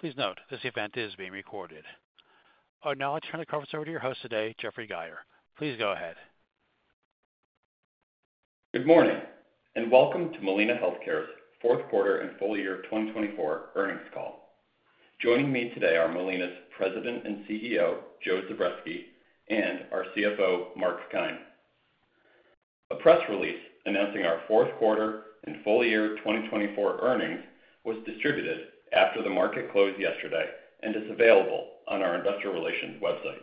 Please note, this event is being recorded. I'll now turn the conference over to your host today, Jeffrey Geyer. Please go ahead. Good morning and welcome to Molina Healthcare's fourth quarter and full year 2024 earnings call. Joining me today are Molina's President and CEO, Joe Zubretsky, and our CFO, Mark Keim. A press release announcing our fourth quarter and full year 2024 earnings was distributed after the market closed yesterday and is available on our investor relations website.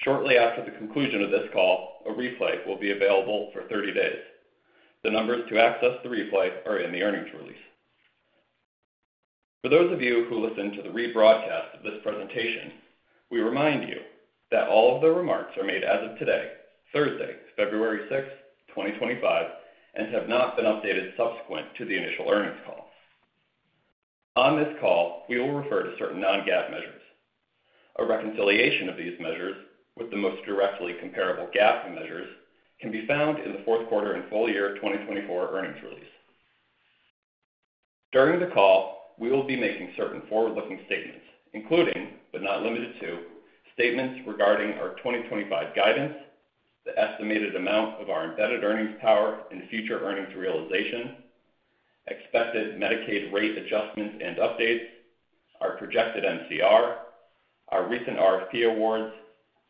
Shortly after the conclusion of this call, a replay will be available for 30 days. The numbers to access the replay are in the earnings release. For those of you who listen to the rebroadcast of this presentation, we remind you that all of the remarks are made as of today, Thursday, February 6th, 2025 and have not been updated subsequent to the initial earnings call. On this call, we will refer to certain non-GAAP measures. A reconciliation of these measures with the most directly comparable GAAP measures can be found in the fourth quarter and full year 2024 earnings release. During the call, we will be making certain forward-looking statements, including, but not limited to, statements regarding our 2025 guidance, the estimated amount of our embedded earnings power and future earnings realization, expected Medicaid rate adjustments and updates, our projected MCR, our recent RFP awards,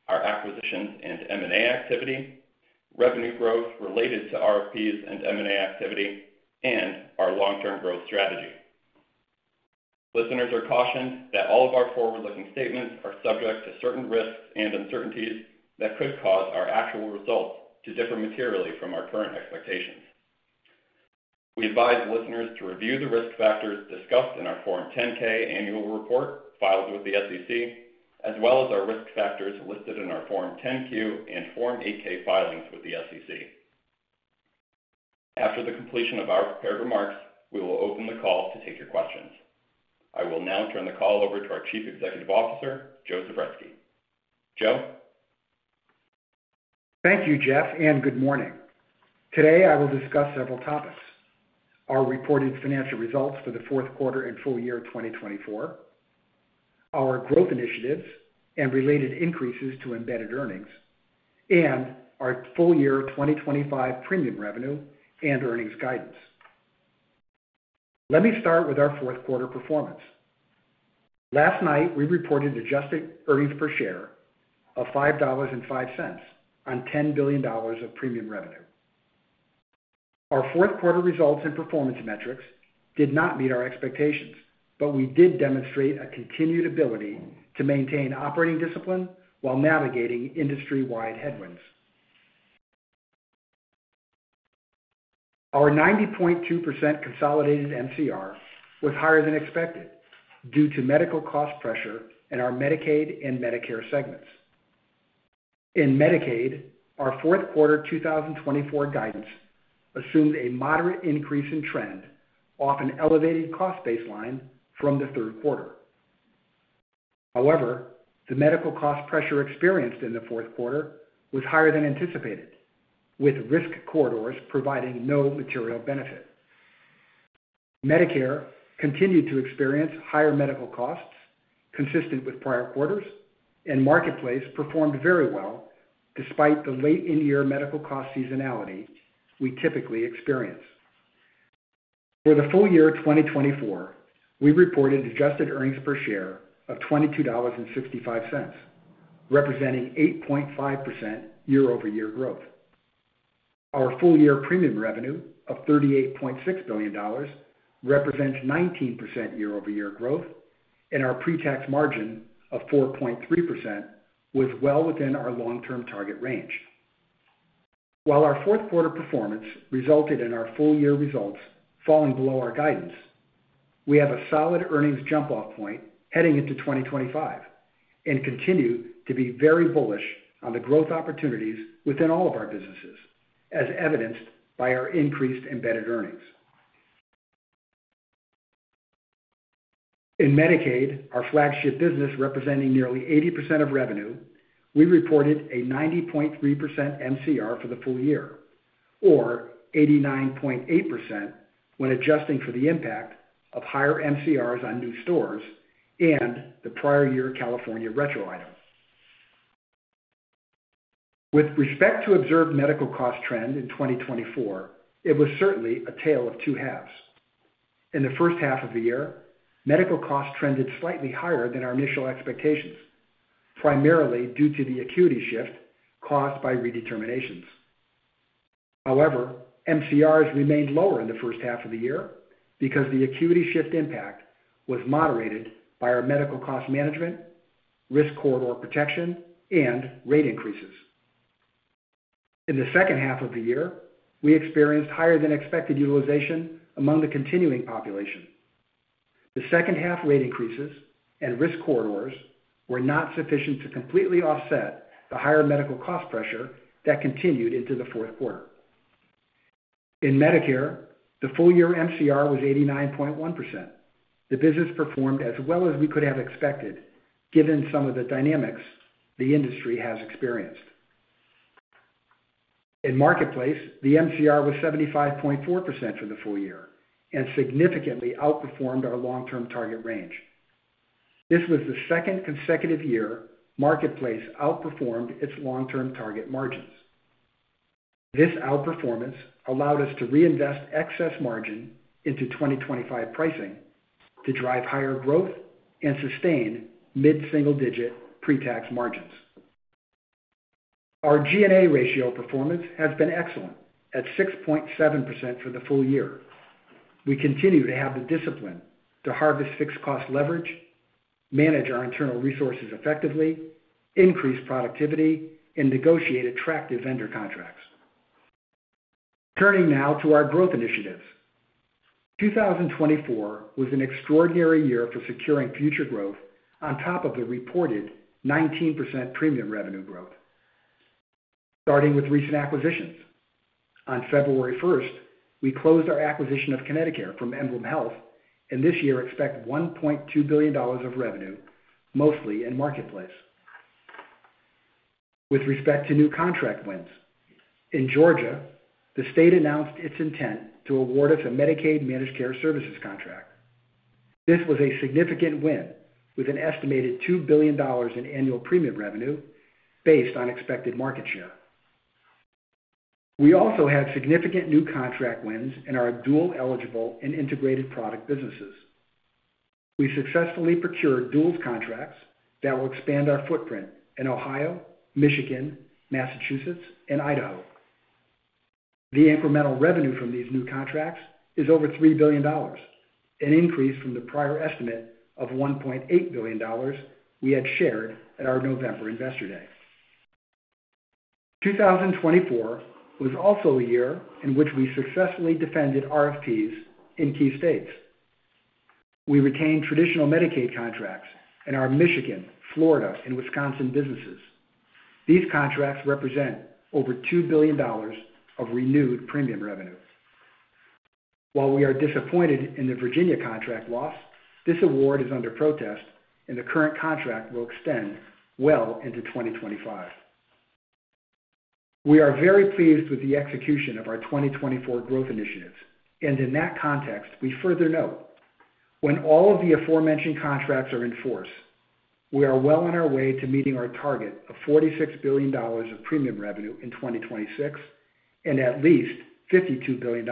our acquisitions and M&A activity, revenue growth related to RFPs and M&A activity, and our long-term growth strategy. Listeners are cautioned that all of our forward-looking statements are subject to certain risks and uncertainties that could cause our actual results to differ materially from our current expectations. We advise listeners to review the risk factors discussed in our Form 10-K annual report filed with the SEC as well as our risk factors listed in our Form 10-Q and Form 8-K filings with the SEC. After the completion of our prepared remarks, we will open the call to take your questions. I will now turn the call over to our Chief Executive Officer, Joe Zubretsky. Joe? Thank you, Jeff, and good morning. Today, I will discuss several topics, our reported financial results for the fourth quarter and full year 2024, our growth initiatives and related increases to embedded earnings, and our full year 2025 premium revenue and earnings guidance. Let me start with our fourth quarter performance. Last night, we reported adjusted earnings per share of $5.05 on $10 billion of premium revenue. Our fourth quarter results and performance metrics did not meet our expectations but we did demonstrate a continued ability to maintain operating discipline while navigating industry-wide headwinds. Our 90.2% consolidated MCR was higher than expected due to medical cost pressure in our Medicaid and Medicare segments. In Medicaid, our fourth quarter 2024 guidance assumed a moderate increase in trend off an elevated cost baseline from the third quarter. However, the medical cost pressure experienced in the fourth quarter was higher than anticipated, with risk corridors providing no material benefit. Medicare continued to experience higher medical costs consistent with prior quarters and Marketplace performed very well despite the late-in-year medical cost seasonality we typically experience. For the full year 2024, we reported adjusted earnings per share of $22.65, representing 8.5% year-over-year growth. Our full year premium revenue of $38.6 billion represents 19% year-over-year growth and our pre-tax margin of 4.3% was well within our long-term target range. While our fourth quarter performance resulted in our full year results falling below our guidance, we have a solid earnings jump-off point heading into 2025 and continue to be very bullish on the growth opportunities within all of our businesses as evidenced by our increased embedded earnings. In Medicaid, our flagship business representing nearly 80% of revenue, we reported a 90.3% MCR for the full year, or 89.8% when adjusting for the impact of higher MCRs on new states and the prior year California retro item. With respect to observed medical cost trend in 2024, it was certainly a tale of two halves. In the first half of the year, medical costs trended slightly higher than our initial expectations, primarily due to the acuity shift caused by redeterminations. However, MCRs remained lower in the first half of the year because the acuity shift impact was moderated by our medical cost management, risk corridor protection, and rate increases. In the second half of the year, we experienced higher-than-expected utilization among the continuing population. The second-half rate increases and risk corridors were not sufficient to completely offset the higher medical cost pressure that continued into the fourth quarter. In Medicare, the full year MCR was 89.1%. The business performed as well as we could have expected given some of the dynamics the industry has experienced. In Marketplace, the MCR was 75.4% for the full year and significantly outperformed our long-term target range. This was the second consecutive year Marketplace outperformed its long-term target margins. This outperformance allowed us to reinvest excess margin into 2025 pricing to drive higher growth and sustain mid-single-digit pre-tax margins. Our G&A ratio performance has been excellent at 6.7% for the full year. We continue to have the discipline to harvest fixed cost leverage, manage our internal resources effectively, increase productivity, and negotiate attractive vendor contracts. Turning now to our growth initiatives, 2024 was an extraordinary year for securing future growth on top of the reported 19% premium revenue growth, starting with recent acquisitions. On February 1st, we closed our acquisition of ConnectiCare from EmblemHealth and this year expect $1.2 billion of revenue, mostly in Marketplace. With respect to new contract wins, in Georgia, the state announced its intent to award us a Medicaid managed care services contract. This was a significant win with an estimated $2 billion in annual premium revenue based on expected market share. We also have significant new contract wins in our dual-eligible and integrated product businesses. We successfully procured dual contracts that will expand our footprint in Ohio, Michigan, Massachusetts, and Idaho. The incremental revenue from these new contracts is over $3 billion, an increase from the prior estimate of $1.8 billion we had shared at our November Investor Day. 2024 was also a year in which we successfully defended RFPs in key states. We retained traditional Medicaid contracts in our Michigan, Florida, and Wisconsin businesses. These contracts represent over $2 billion of renewed premium revenue. While we are disappointed in the Virginia contract loss, this award is under protest, and the current contract will extend well into 2025. We are very pleased with the execution of our 2024 growth initiatives, and in that context, we further note when all of the aforementioned contracts are in force, we are well on our way to meeting our target of $46 billion of premium revenue in 2026 and at least $52 billion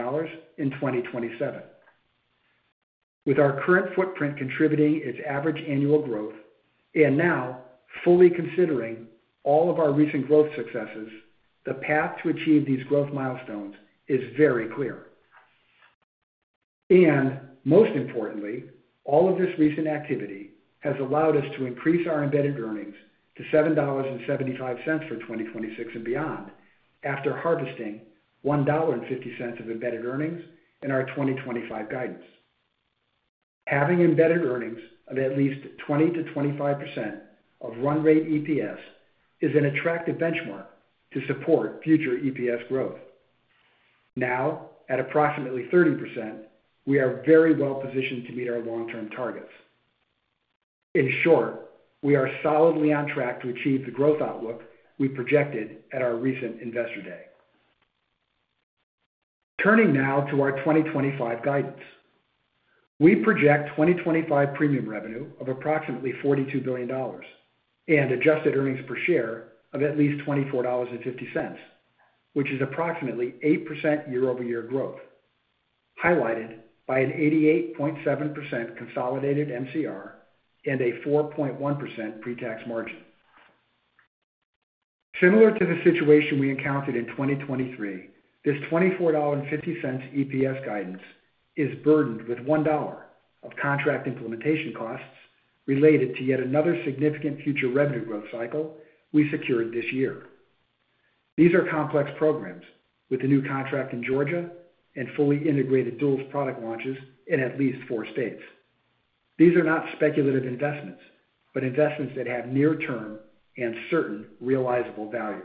in 2027. With our current footprint contributing its average annual growth and now fully considering all of our recent growth successes, the path to achieve these growth milestones is very clear, and most importantly, all of this recent activity has allowed us to increase our embedded earnings to $7.75 for 2026 and beyond after harvesting $1.50 of embedded earnings in our 2025 guidance. Having embedded earnings of at least 20%-25% of run rate EPS is an attractive benchmark to support future EPS growth. Now, at approximately 30%, we are very well positioned to meet our long-term targets. In short, we are solidly on track to achieve the growth outlook we projected at our recent Investor Day. Turning now to our 2025 guidance, we project 2025 premium revenue of approximately $42 billion and adjusted earnings per share of at least $24.50, which is approximately 8% year-over-year growth, highlighted by an 88.7% consolidated MCR and a 4.1% pre-tax margin. Similar to the situation we encountered in 2023, this $24.50 EPS guidance is burdened with $1 of contract implementation costs related to yet another significant future revenue growth cycle we secured this year. These are complex programs with a new contract in Georgia and fully integrated dual product launches in at least 4 states. These are not speculative investments, but investments that have near-term and certain realizable value.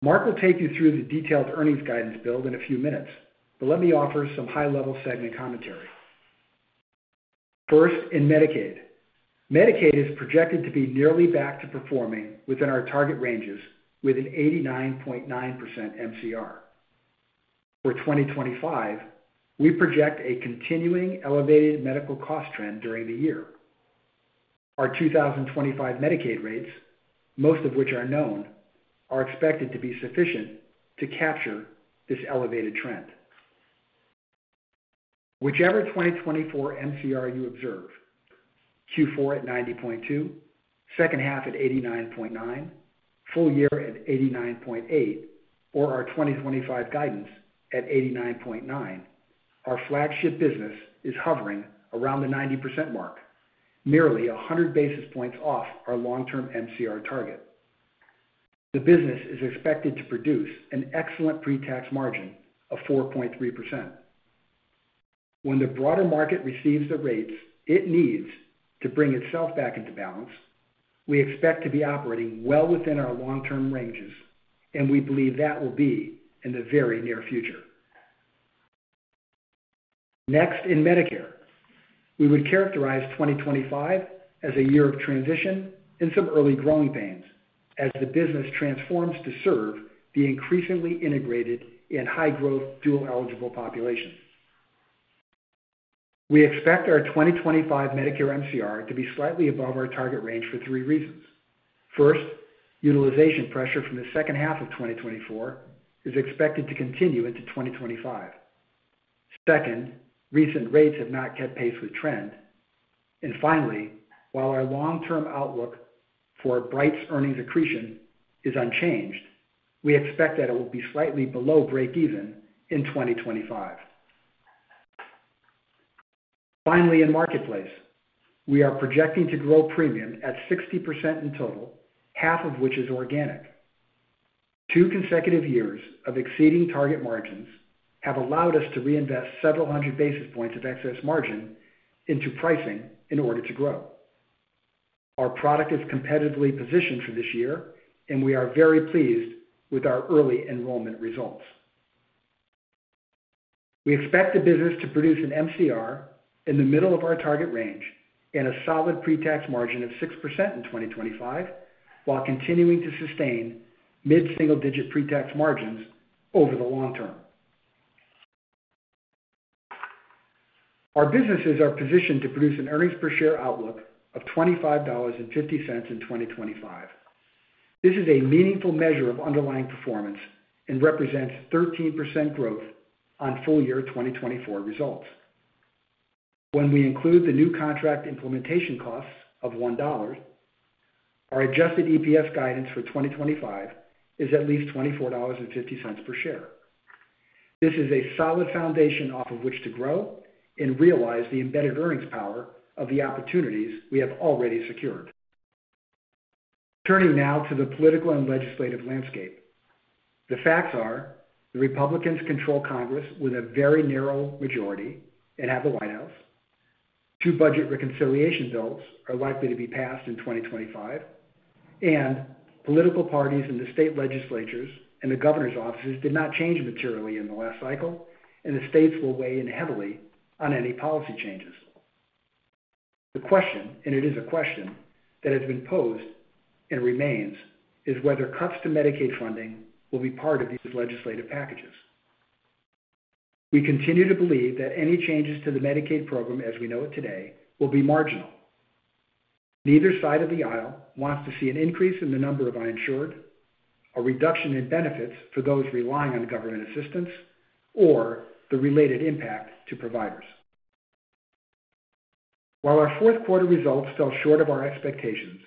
Mark will take you through the detailed earnings guidance build in a few minutes, but let me offer some high-level segment commentary. First, in Medicaid, Medicaid is projected to be nearly back to performing within our target ranges with an 89.9% MCR. For 2025, we project a continuing elevated medical cost trend during the year. Our 2025 Medicaid rates, most of which are known, are expected to be sufficient to capture this elevated trend. Whichever 2024 MCR you observe, Q4 at 90.2%, second half at 89.9%, full year at 89.8%, or our 2025 guidance at 89.9%, our flagship business is hovering around the 90% mark, merely 100 basis points off our long-term MCR target. The business is expected to produce an excellent pre-tax margin of 4.3%. When the broader market receives the rates it needs to bring itself back into balance, we expect to be operating well within our long-term ranges, and we believe that will be in the very near future. Next, in Medicare, we would characterize 2025 as a year of transition and some early growing pains as the business transforms to serve the increasingly integrated and high-growth dual-eligible population. We expect our 2025 Medicare MCR to be slightly above our target range for three reasons. First, utilization pressure from the second half of 2024 is expected to continue into 2025. Second, recent rates have not kept pace with trend. And finally, while our long-term outlook for Bright's earnings accretion is unchanged, we expect that it will be slightly below break-even in 2025. Finally, in Marketplace, we are projecting to grow premium at 60% in total, half of which is organic. 2 consecutive years of exceeding target margins have allowed us to reinvest several hundred basis points of excess margin into pricing in order to grow. Our product is competitively positioned for this year and we are very pleased with our early enrollment results. We expect the business to produce an MCR in the middle of our target range and a solid pre-tax margin of 6% in 2025, while continuing to sustain mid-single-digit pre-tax margins over the long term. Our businesses are positioned to produce an earnings per share outlook of $25.50 in 2025. This is a meaningful measure of underlying performance and represents 13% growth on full year 2024 results. When we include the new contract implementation costs of $1, our adjusted EPS guidance for 2025 is at least $24.50 per share. This is a solid foundation off of which to grow and realize the embedded earnings power of the opportunities we have already secured. Turning now to the political and legislative landscape, the facts are the Republicans control Congress with a very narrow majority and have the White House. 23 budget reconciliation bills are likely to be passed in 2025 and political parties in the state legislatures and the governor's offices did not change materially in the last cycle and the states will weigh in heavily on any policy changes. The question and it is a question that has been posed and remains, is whether cuts to Medicaid funding will be part of these legislative packages. We continue to believe that any changes to the Medicaid program as we know it today will be marginal. Neither side of the aisle wants to see an increase in the number of uninsured, a reduction in benefits for those relying on government assistance or the related impact to providers. While our fourth quarter results fell short of our expectations,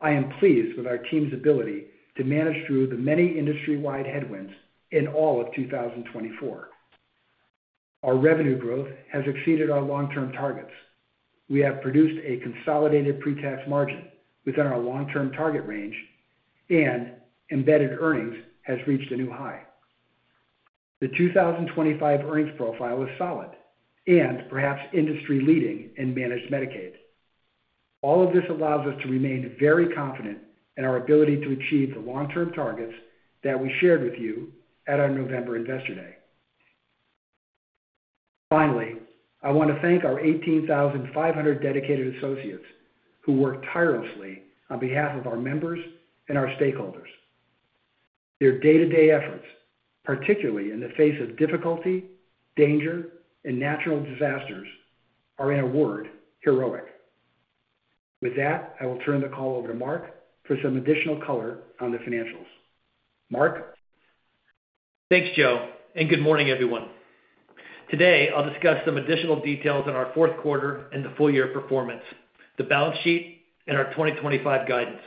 I am pleased with our team's ability to manage through the many industry-wide headwinds in all of 2024. Our revenue growth has exceeded our long-term targets. We have produced a consolidated pre-tax margin within our long-term target range, and embedded earnings have reached a new high. The 2025 earnings profile is solid and perhaps industry-leading in managed Medicaid. All of this allows us to remain very confident in our ability to achieve the long-term targets that we shared with you at our November Investor Day. Finally, I want to thank our 18,500 dedicated associates who work tirelessly on behalf of our members and our stakeholders. Their day-to-day efforts, particularly in the face of difficulty, danger, and natural disasters, are in a word, heroic. With that, I will turn the call over to Mark for some additional color on the financials. Mark. Thanks, Joe, and good morning, everyone. Today, I'll discuss some additional details on our fourth quarter and the full year performance, the balance sheet and our 2025 guidance.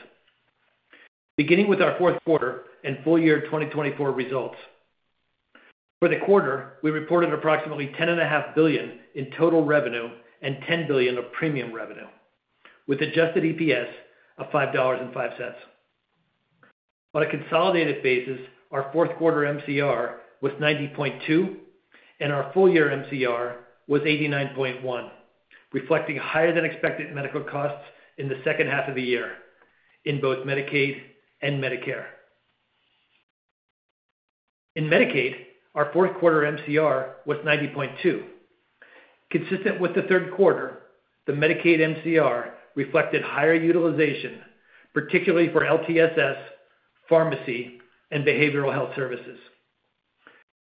Beginning with our fourth quarter and full year 2024 results. For the quarter, we reported approximately $10.5 billion in total revenue and $10 billion of premium revenue, with adjusted EPS of $5.05. On a consolidated basis, our fourth quarter MCR was 90.2% and our full year MCR was 89.1%, reflecting higher-than-expected medical costs in the second half of the year in both Medicaid and Medicare. In Medicaid, our fourth quarter MCR was 90.2%. Consistent with the third quarter, the Medicaid MCR reflected higher utilization, particularly for LTSS, pharmacy, and behavioral health services.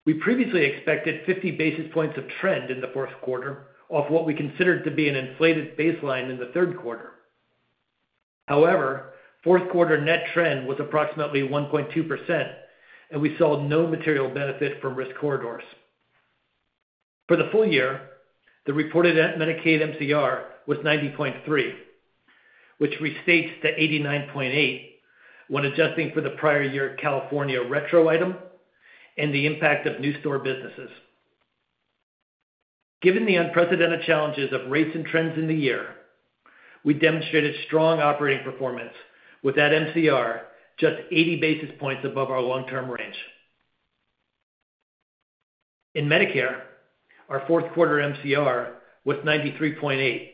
We previously expected 50 basis points of trend in the fourth quarter off what we considered to be an inflated baseline in the fourth quarter. However, fourth quarter net trend was approximately 1.2% and we saw no material benefit from risk corridors. For the full year, the reported Medicaid MCR was 90.3, which restates to 89.8 when adjusting for the prior year California retro item and the impact of new state businesses. Given the unprecedented challenges of rates and trends in the year, we demonstrated strong operating performance with that MCR just 80 basis points above our long-term range. In Medicare, our fourth quarter MCR was 93.8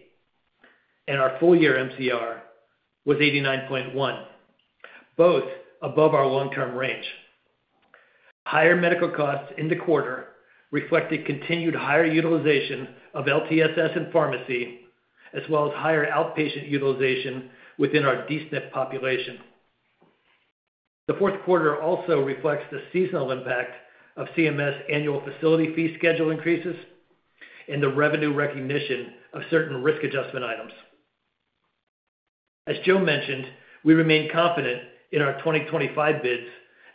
and our full year MCR was 89.1, both above our long-term range. Higher medical costs in the quarter reflected continued higher utilization of LTSS and pharmacy, as well as higher outpatient utilization within our D-SNP population. The fourth quarter also reflects the seasonal impact of CMS annual facility fee schedule increases and the revenue recognition of certain risk adjustment items. As Joe mentioned, we remain confident in our 2025 bids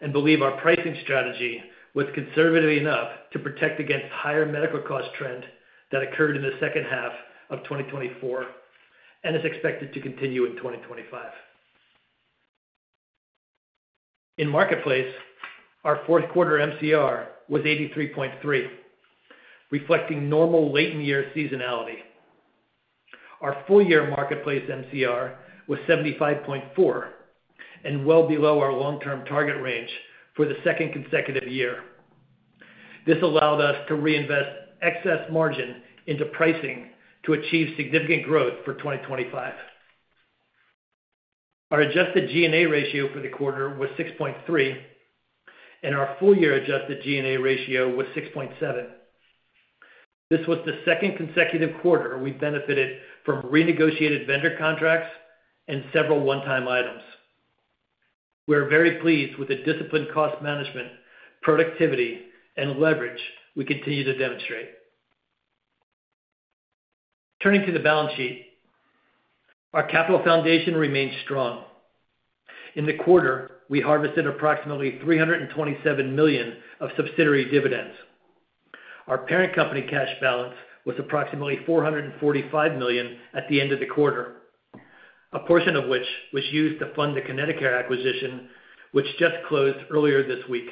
and believe our pricing strategy was conservative enough to protect against higher medical cost trend that occurred in the second half of 2024 and is expected to continue in 2025. In Marketplace, our fourth quarter MCR was 83.3%, reflecting normal late-in-year seasonality. Our full year Marketplace MCR was 75.4% and well below our long-term target range for the second consecutive year. This allowed us to reinvest excess margin into pricing to achieve significant growth for 2025. Our adjusted G&A ratio for the quarter was 6.3% and our full-year adjusted G&A ratio was 6.7%. This was the second consecutive quarter we benefited from renegotiated vendor contracts and several one-time items. We are very pleased with the disciplined cost management, productivity, and leverage we continue to demonstrate. Turning to the balance sheet, our capital foundation remained strong. In the quarter, we harvested approximately $327 million of subsidiary dividends. Our parent company cash balance was approximately $445 million at the end of the quarter, a portion of which was used to fund the ConnectiCare acquisition, which just closed earlier this week.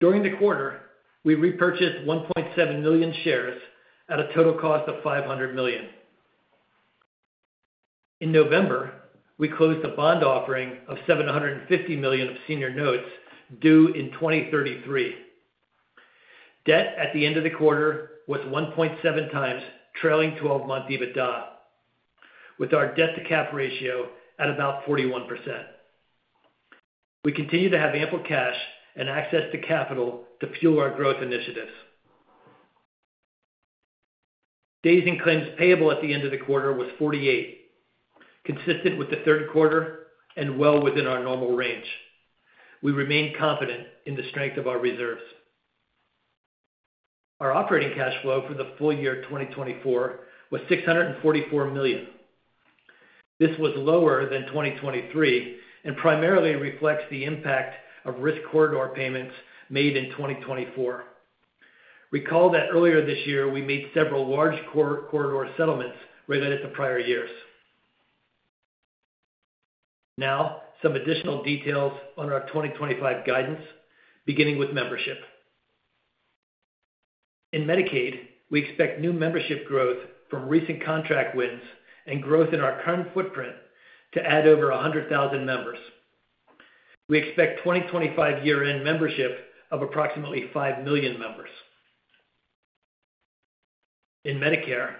During the quarter, we repurchased 1.7 million shares at a total cost of $500 million. In November, we closed a bond offering of $750 million of senior notes due in 2033. Debt at the end of the quarter was 1.7 times trailing 12-month EBITDA, with our debt-to-cap ratio at about 41%. We continue to have ample cash and access to capital to fuel our growth initiatives. Days in claims payable at the end of the quarter was 48, consistent with third quarter and well within our normal range. We remain confident in the strength of our reserves. Our operating cash flow for the full year 2024 was $644 million. This was lower than 2023 and primarily reflects the impact of risk corridor payments made in 2024. Recall that earlier this year, we made several large corridor settlements related to prior years. Now, some additional details on our 2025 guidance, beginning with membership. In Medicaid, we expect new membership growth from recent contract wins and growth in our current footprint to add over 100,000 members. We expect 2025 year-end membership of approximately 5 million members. In Medicare,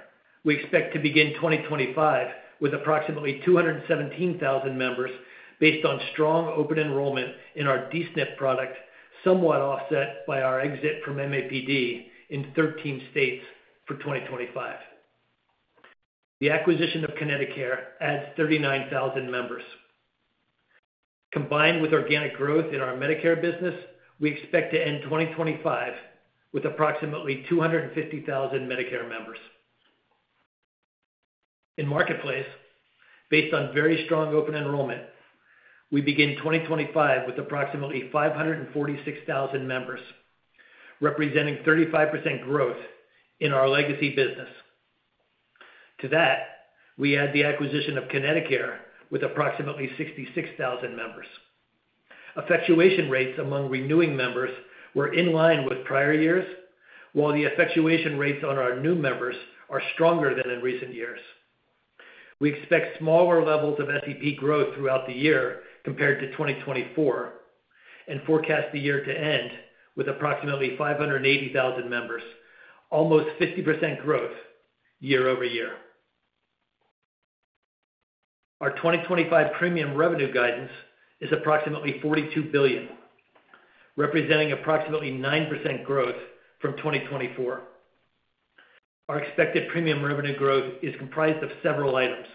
we expect to begin 2025 with approximately 217,000 members based on strong open enrollment in our D-SNP product, somewhat offset by our exit from MAPD in 13 states for 2025. The acquisition of ConnectiCare adds 39,000 members. Combined with organic growth in our Medicare business, we expect to end 2025 with approximately 250,000 Medicare members. In Marketplace, based on very strong open enrollment, we begin 2025 with approximately 546,000 members, representing 35% growth in our legacy business. To that, we add the acquisition of ConnectiCare with approximately 66,000 members. Effectuation rates among renewing members were in line with prior years, while the effectuation rates on our new members are stronger than in recent years. We expect smaller levels of SEP growth throughout the year compared to 2024 and forecast the year to end with approximately 580,000 members, almost 50% growth year-over-year. Our 2025 premium revenue guidance is approximately $42 billion, representing approximately 9% growth from 2024. Our expected premium revenue growth is comprised of several items,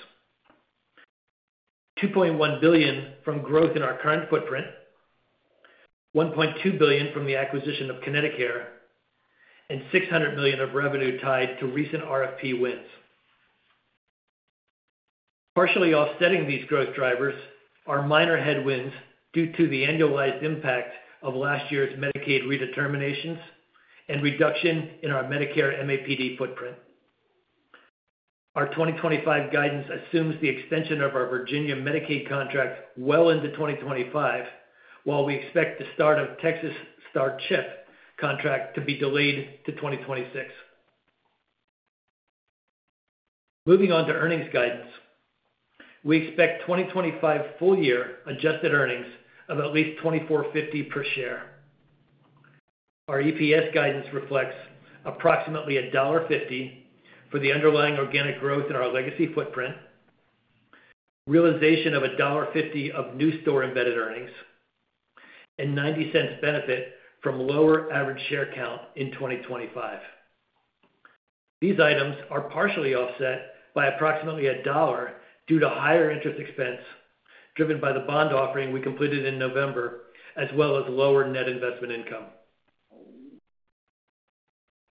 $2.1 billion from growth in our current footprint, $1.2 billion from the acquisition of ConnectiCare, and $600 million of revenue tied to recent RFP wins. Partially offsetting these growth drivers are minor headwinds due to the annualized impact of last year's Medicaid redeterminations and reduction in our Medicare MAPD footprint. Our 2025 guidance assumes the extension of our Virginia Medicaid contract well into 2025, while we expect the start of Texas STAR CHIP contract to be delayed to 2026. Moving on to earnings guidance, we expect 2025 full year adjusted earnings of at least $24.50 per share. Our EPS guidance reflects approximately $1.50 for the underlying organic growth in our legacy footprint, realization of $1.50 of new store embedded earnings and $0.90 benefit from lower average share count in 2025. These items are partially offset by approximately $1 due to higher interest expense driven by the bond offering we completed in November, as well as lower net investment income.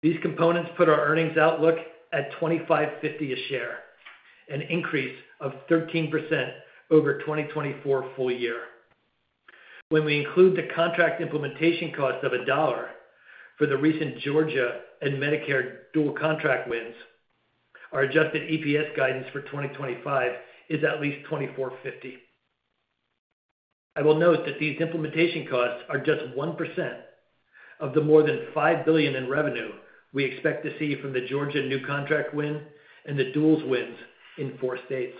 These components put our earnings outlook at $25.50 a share, an increase of 13% over 2024 full year. When we include the contract implementation cost of $1 for the recent Georgia and Medicare dual contract wins, our adjusted EPS guidance for 2025 is at least $24.50. I will note that these implementation costs are just 1% of the more than $5 billion in revenue we expect to see from the Georgia new contract win and the duals wins in 4 states.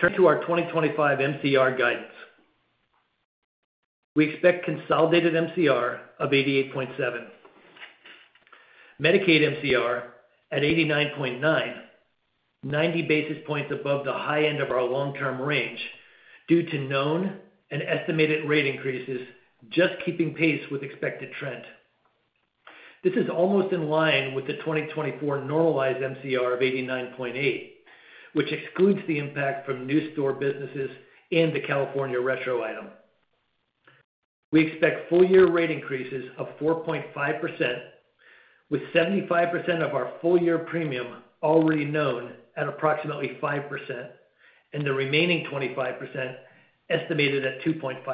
Turning to our 2025 MCR guidance, we expect consolidated MCR of 88.7, Medicaid MCR at 89.9, 90 basis points above the high end of our long-term range due to known and estimated rate increases just keeping pace with expected trend. This is almost in line with the 2024 normalized MCR of 89.8, which excludes the impact from new store businesses and the California retro item. We expect full year rate increases of 4.5% with 75% of our full year premium already known at approximately 5% and the remaining 25% estimated at 2.5%.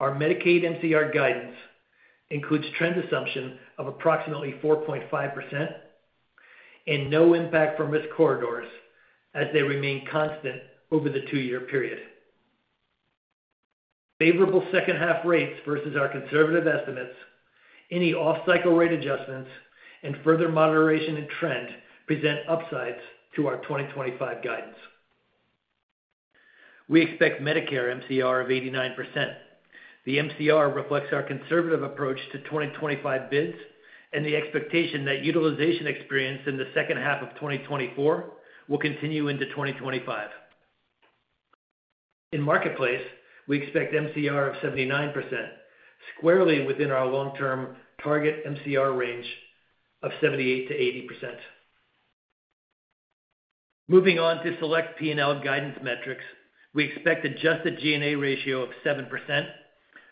Our Medicaid MCR guidance includes trend assumption of approximately 4.5% and no impact from risk corridors as they remain constant over the 2-year period. Favorable second-half rates versus our conservative estimates, any off-cycle rate adjustments and further moderation in trend present upsides to our 2025 guidance. We expect Medicare MCR of 89%. The MCR reflects our conservative approach to 2025 bids and the expectation that utilization experienced in the second half of 2024 will continue into 2025. In Marketplace, we expect MCR of 79%, squarely within our long-term target MCR range of 78%-80%. Moving on to select P&L guidance metrics, we expect adjusted G&A ratio of 7%,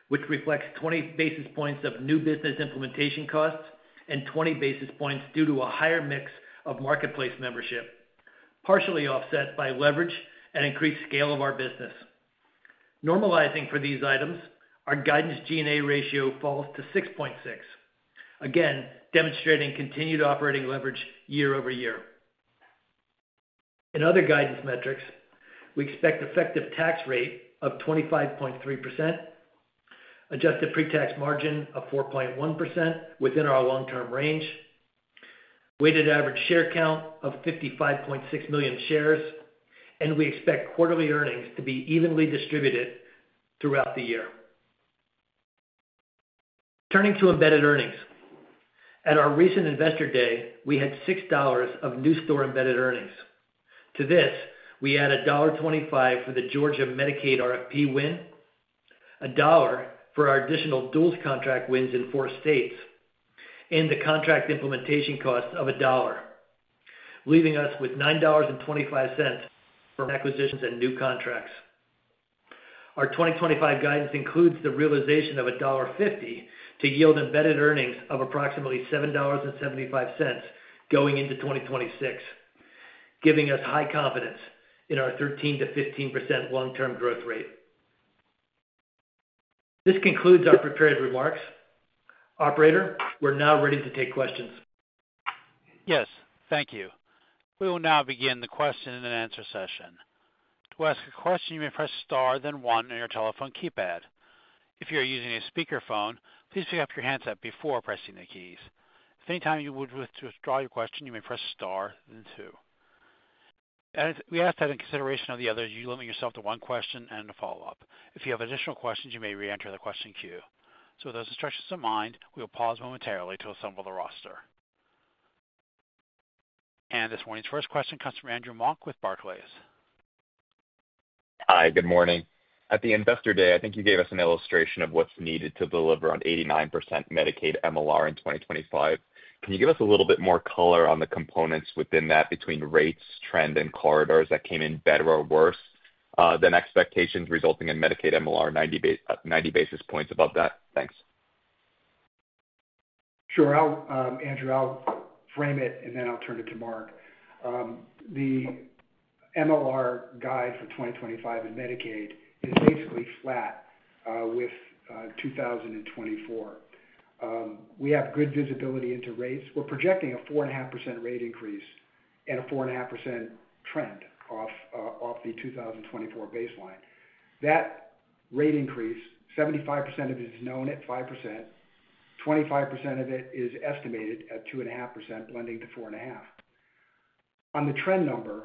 which reflects 20 basis points of new business implementation costs and 20 basis points due to a higher mix of Marketplace membership, partially offset by leverage and increased scale of our business. Normalizing for these items, our guidance G&A ratio falls to 6.6, again demonstrating continued operating leverage year-over-year. In other guidance metrics, we expect effective tax rate of 25.3% adjusted pre-tax margin of 4.1% within our long-term range, weighted average share count of 55.6 million shares and we expect quarterly earnings to be evenly distributed throughout the year. Turning to embedded earnings, at our recent investor day, we had $6 of new store embedded earnings. To this, we add $1.25 for the Georgia Medicaid RFP win, $1 for our additional duals contract wins in 4 states and the contract implementation cost of $1, leaving us with $9.25 for acquisitions and new contracts. Our 2025 guidance includes the realization of $1.50 to yield embedded earnings of approximately $7.75 going into 2026, giving us high confidence in our 13%-15% long-term growth rate. This concludes our prepared remarks. Operator, we're now ready to take questions. Yes, thank you. We will now begin the question and answer session. To ask a question, you may press star then 1 on your telephone keypad. If you are using a speakerphone, please pick up the handset before pressing the keys. At any time you would withdraw your question, you may press star then 2. We ask that in consideration of the others, you limit yourself to one question and a follow-up. If you have additional questions, you may re-enter the question queue. So with those instructions in mind, we will pause momentarily to assemble the roster. And this morning's first question comes from Andrew Mok with Barclays. Hi, good morning. At the investor day, I think you gave us an illustration of what's needed to deliver on 89% Medicaid MLR in 2025. Can you give us a little bit more color on the components within that between rates, trend, and corridors that came in better or worse than expectations, resulting in Medicaid MLR 90 basis points above that? Thanks. Sure. Andrew, I'll frame it and then I'll turn it to Mark. The MLR guide for 2025 in Medicaid is basically flat with 2024. We have good visibility into rates. We're projecting a 4.5% rate increase and a 4.5% trend off the 2024 baseline. That rate increase, 75% of it is known at 5%, 25% of it is estimated at 2.5% blending to 4.5. On the trend number,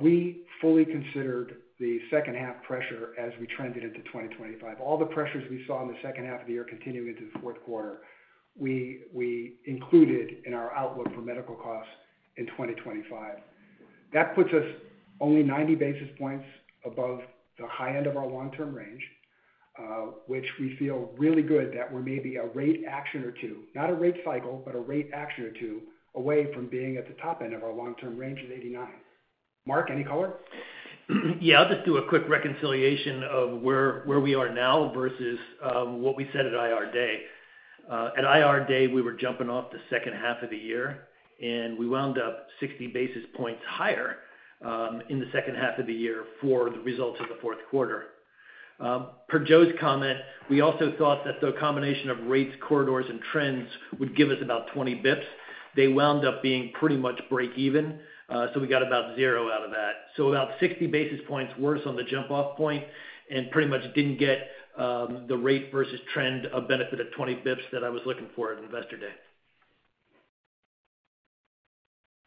we fully considered the second-half pressure as we trended into 2025, all the pressures we saw in the second half of the year continuing into the fourth quarter, we included in our outlook for medical costs in 2025. That puts us only 90 basis points above the high end of our long-term range, which we feel really good that we're maybe a rate action or 2, not a rate cycle, but a rate action or 2 away from being at the top end of our long-term range at 89. Mark, any color? Yeah, I'll just do a quick reconciliation of where we are now versus what we said at IR Day. At IR Day, we were jumping off the second half of the year, and we wound up 60 basis points higher in the second half of the year for the results of the fourth quarter. Per Joe's comment, we also thought that the combination of rates, corridors, and trends would give us about 20 basis points. They wound up being pretty much break even, so we got about 0 out of that. So about 60 basis points worse on the jump-off point and pretty much didn't get the rate versus trend of benefit of 20 basis points that I was looking for at investor day.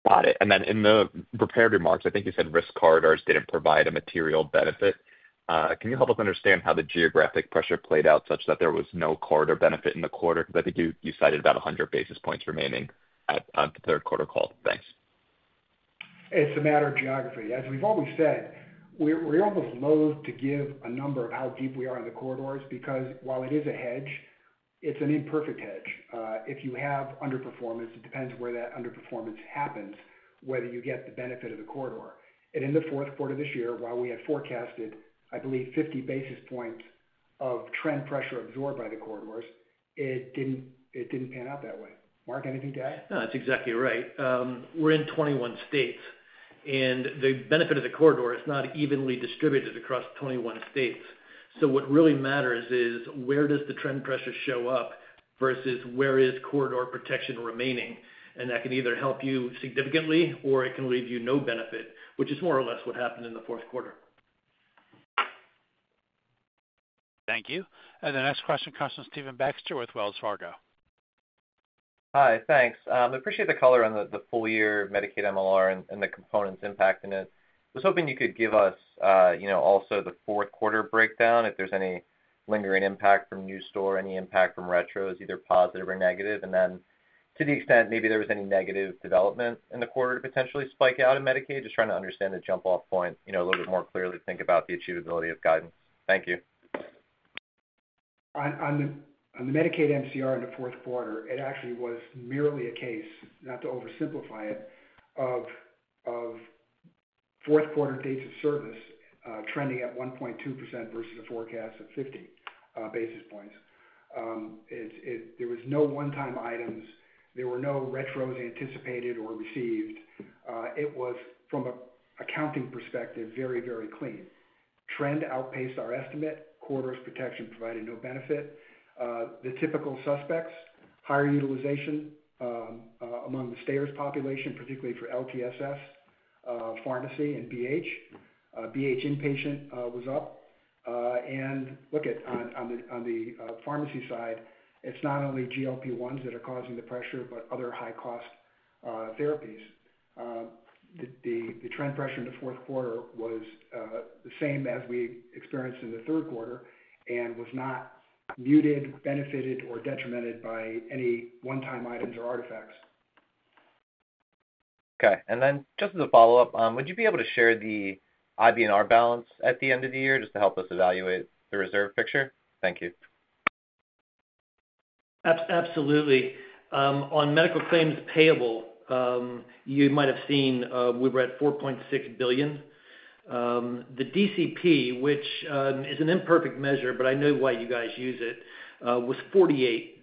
Got it and then in the prepared remarks, I think you said risk corridors didn't provide a material benefit. Can you help us understand how the geographic pressure played out such that there was no corridor benefit in the quarter? Because I think you cited about 100 basis points remaining at the third quarter call. Thanks. It's a matter of geography. As we've always said, we're almost loath to give a number of how deep we are in the corridors because while it is a hedge, it's an imperfect hedge. If you have underperformance, it depends where that underperformance happens, whether you get the benefit of the corridor and in the fourth quarter of this year, while we had forecasted, I believe, 50 basis points of trend pressure absorbed by the corridors, it didn't pan out that way. Mark, anything to add? No, that's exactly right. We're in 21 states, and the benefit of the corridor is not evenly distributed across 21 states. So what really matters is where does the trend pressure show up versus where is corridor protection remaining? And that can either help you significantly or it can leave you no benefit, which is more or less what happened in the fourth quarter. Thank you. And the next question comes from Stephen Baxter with Wells Fargo. Hi, thanks. I appreciate the color on the full year Medicaid MLR and the components impacting it. I was hoping you could give us also the fourth quarter breakdown, if there's any lingering impact from new store, any impact from retros, either positive or negative, and then to the extent maybe there was any negative development in the quarter to potentially spike out of Medicaid just trying to understand the jump-off point a little bit more clearly to think about the achievability of guidance. Thank you. On the Medicaid MCR in the fourth quarter, it actually was merely a case, not to oversimplify it, of fourth quarter dates of service trending at 1.2% versus a forecast of 50 basis points. There were no one-time items. There were no retros anticipated or received. It was, from an accounting perspective, very, very clean. Trend outpaced our estimate. Corridors protection provided no benefit. The typical suspects, higher utilization among the stayers population, particularly for LTSS, pharmacy, and BH. BH inpatient was up. And look at on the pharmacy side, it's not only GLP-1s that are causing the pressure but other high-cost therapies. The trend pressure in the fourth quarter was the same as we experienced in the third quarter and was not muted, benefited or detrimented by any one-time items or artifacts. Okay. And then just as a follow-up, would you be able to share the IBNR balance at the end of the year just to help us evaluate the reserve picture? Thank you. Absolutely. On medical claims payable, you might have seen we were at $4.6 billion. The DCP, which is an imperfect measure but I know why you guys use it, was 48.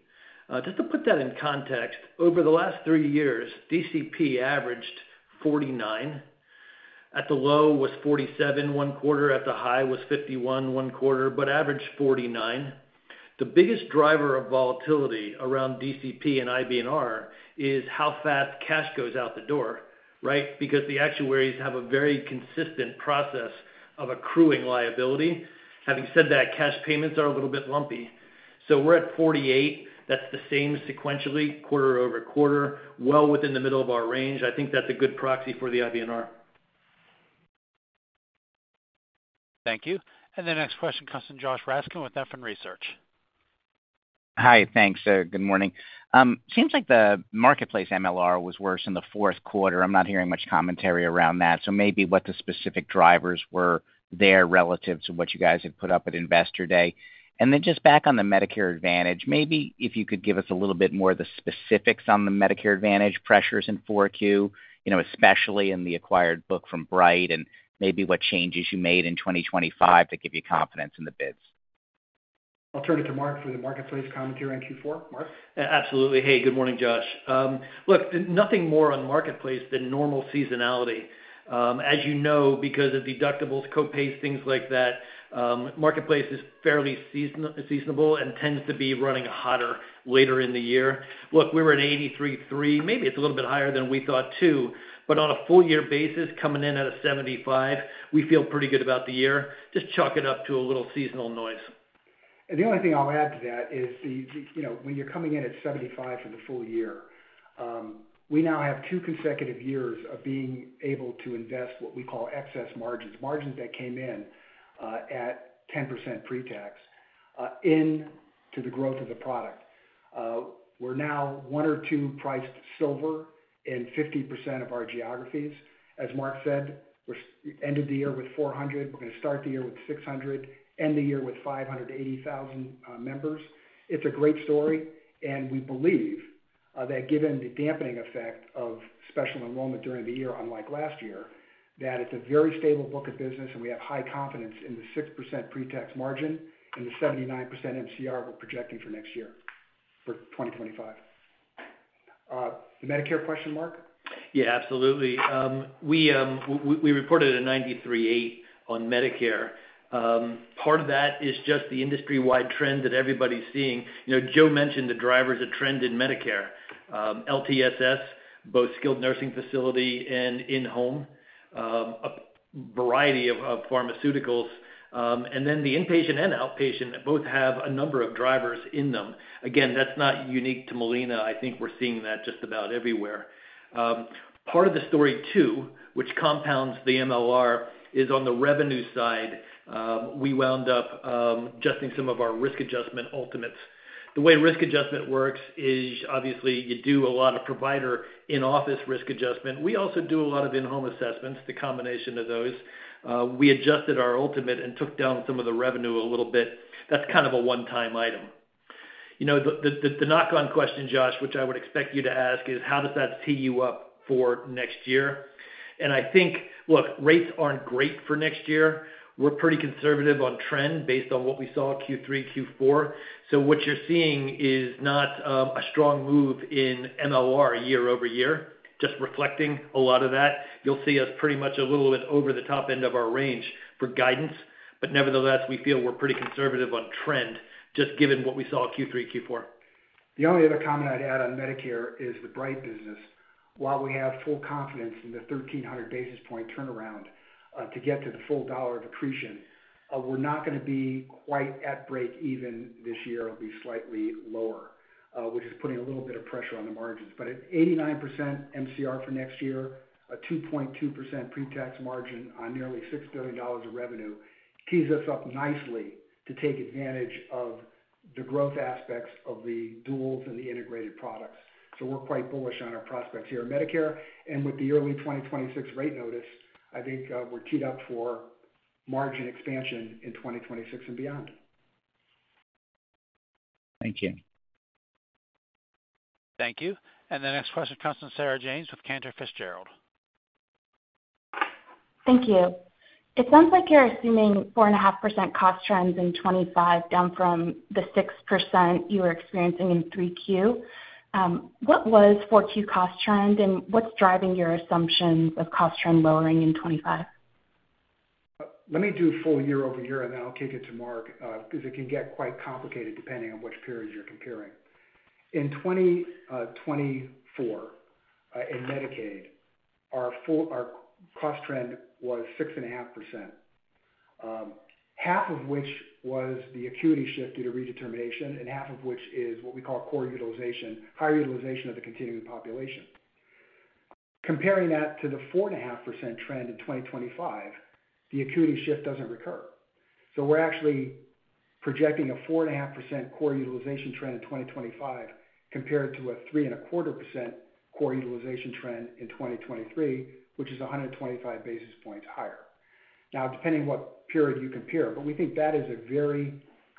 Just to put that in context, over the last 3 years, DCP averaged 49 at the low was 47 one quarter at the high was 51 one quarter but averaged 49. The biggest driver of volatility around DCP and IBNR is how fast cash goes out the door, right? Because the actuaries have a very consistent process of accruing liability. Having said that, cash payments are a little bit lumpy. So we're at 48. That's the same sequentially, quarter-over-quarter, well within the middle of our range. I think that's a good proxy for the IBNR. Thank you. And the next question comes from Josh Raskin with Nephron Research. Hi, thanks. Good morning. Seems like the Marketplace MLR was worse in the fourth quarter. I'm not hearing much commentary around that. So maybe what the specific drivers were there relative to what you guys had put up at investor day and then just back on the Medicare Advantage, maybe if you could give us a little bit more of the specifics on the Medicare Advantage pressures in Q4, especially in the acquired book from Bright and maybe what changes you made in 2025 to give you confidence in the bids. I'll turn it to Mark for the Marketplace commentary on Q4. Mark? Absolutely. Hey, good morning, Josh. Look, nothing more on Marketplace than normal seasonality. As you know, because of deductibles, co-pays, things like that, Marketplace is fairly seasonal and tends to be running hotter later in the year. Look, we were at 83.3%. Maybe it's a little bit higher than we thought too, but on a full year basis, coming in at 75%, we feel pretty good about the year. Just chalk it up to a little seasonal noise. The only thing I'll add to that is when you're coming in at 75% for the full year, we now have 2 consecutive years of being able to invest what we call excess margins, margins that came in at 10% pre-tax into the growth of the product. We're now 1 or 2 priced silver in 50% of our geographies. As Mark said, we ended the year with 400,000, we're going to start the year with 600,000 end the year with 580,000 members. It's a great story. We believe that given the dampening effect of special enrollment during the year, unlike last year, that it's a very stable book of business and we have high confidence in the 6% pre-tax margin and the 79% MCR we're projecting for next year, for 2025. The Medicare question, Mark? Yeah, absolutely. We reported a 93.8% on Medicare. Part of that is just the industry-wide trend that everybody's seeing. Joe mentioned the drivers of trend in Medicare, LTSS, both skilled nursing facility and in-home, a variety of pharmaceuticals and then the inpatient and outpatient that both have a number of drivers in them. Again, that's not unique to Molina, I think we're seeing that just about everywhere. Part of the story too, which compounds the MLR, is on the revenue side. We wound up adjusting some of our risk adjustment ultimates. The way risk adjustment works is obviously you do a lot of provider in-office risk adjustment. We also do a lot of in-home assessments, the combination of those. We adjusted our ultimate and took down some of the revenue a little bit. That's kind of a one-time item. The knock-on question, Josh, which I would expect you to ask, is how does that tee you up for next year? And I think, look, rates aren't great for next year. We're pretty conservative on trend based on what we saw Q3, Q4. So what you're seeing is not a strong move in MLR year-over-year, just reflecting a lot of that. You'll see us pretty much a little bit over the top end of our range for guidance. But nevertheless, we feel we're pretty conservative on trend, just given what we saw Q3, Q4. The only other comment I'd add on Medicare is the Bright business while we have full confidence in the 1,300 basis points turnaround to get to the full dollar of accretion, we're not going to be quite at break even this year. It'll be slightly lower which is putting a little bit of pressure on the margins. But at 89% MCR for next year, a 2.2% pre-tax margin on nearly $6 billion of revenue tees us up nicely to take advantage of the growth aspects of the duals and the integrated products. So we're quite bullish on our prospects here at Medicare and with the early 2026 rate notice, I think we're teed up for margin expansion in 2026 and beyond. Thank you. Thank you. And the next question comes from Sarah James with Cantor Fitzgerald. Thank you. It sounds like you're assuming 4.5% cost trends in 2025, down from the 6% you were experiencing in 3Q. What was 4Q cost trend and what's driving your assumptions of cost trend lowering in 2025? Let me do full year-over-year, and then I'll kick it to Mark because it can get quite complicated depending on which period you're comparing. In 2024, in Medicaid, our cost trend was 6.5%, half of which was the acuity shift due to redetermination, and half of which is what we call core utilization, higher utilization of the continuing population. Comparing that to the 4.5% trend in 2025, the acuity shift doesn't recur. So we're actually projecting a 4.5% core utilization trend in 2025 compared to a 3.25% core utilization trend in 2023, which is 125 basis points higher. Now, depending on what period you compare, but we think that is a very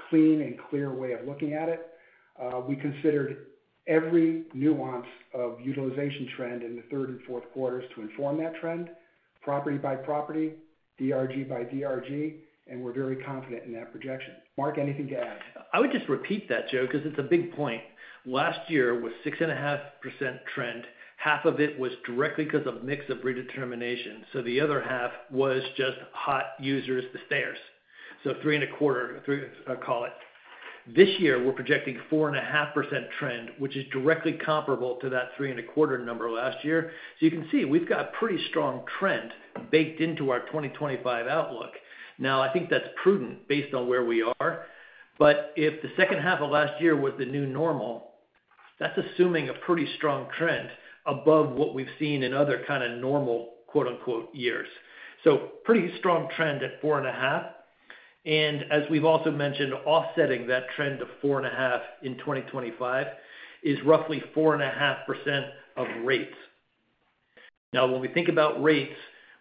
clean and clear way of looking at it. We considered every nuance of utilization trend in the third and fourth quarter to inform that trend, property by property, DRG by DRG, and we're very confident in that projection. Mark, anything to add? I would just repeat that, Joe, because it's a big point. Last year was 6.5% trend. Half of it was directly because of mix of redetermination. So the other half was just hot users, the stayers. So 3.25, I'll call it. This year, we're projecting 4.5% trend which is directly comparable to that 3.25 number last year. So you can see we've got a pretty strong trend baked into our 2025 outlook. Now, I think that's prudent based on where we are but if the second half of last year was the new normal, that's assuming a pretty strong trend above what we've seen in other kind of normal years. So pretty strong trend at 4.5. As we've also mentioned, offsetting that trend of 4.5% in 2025 is roughly 4.5% of rates. Now, when we think about rates,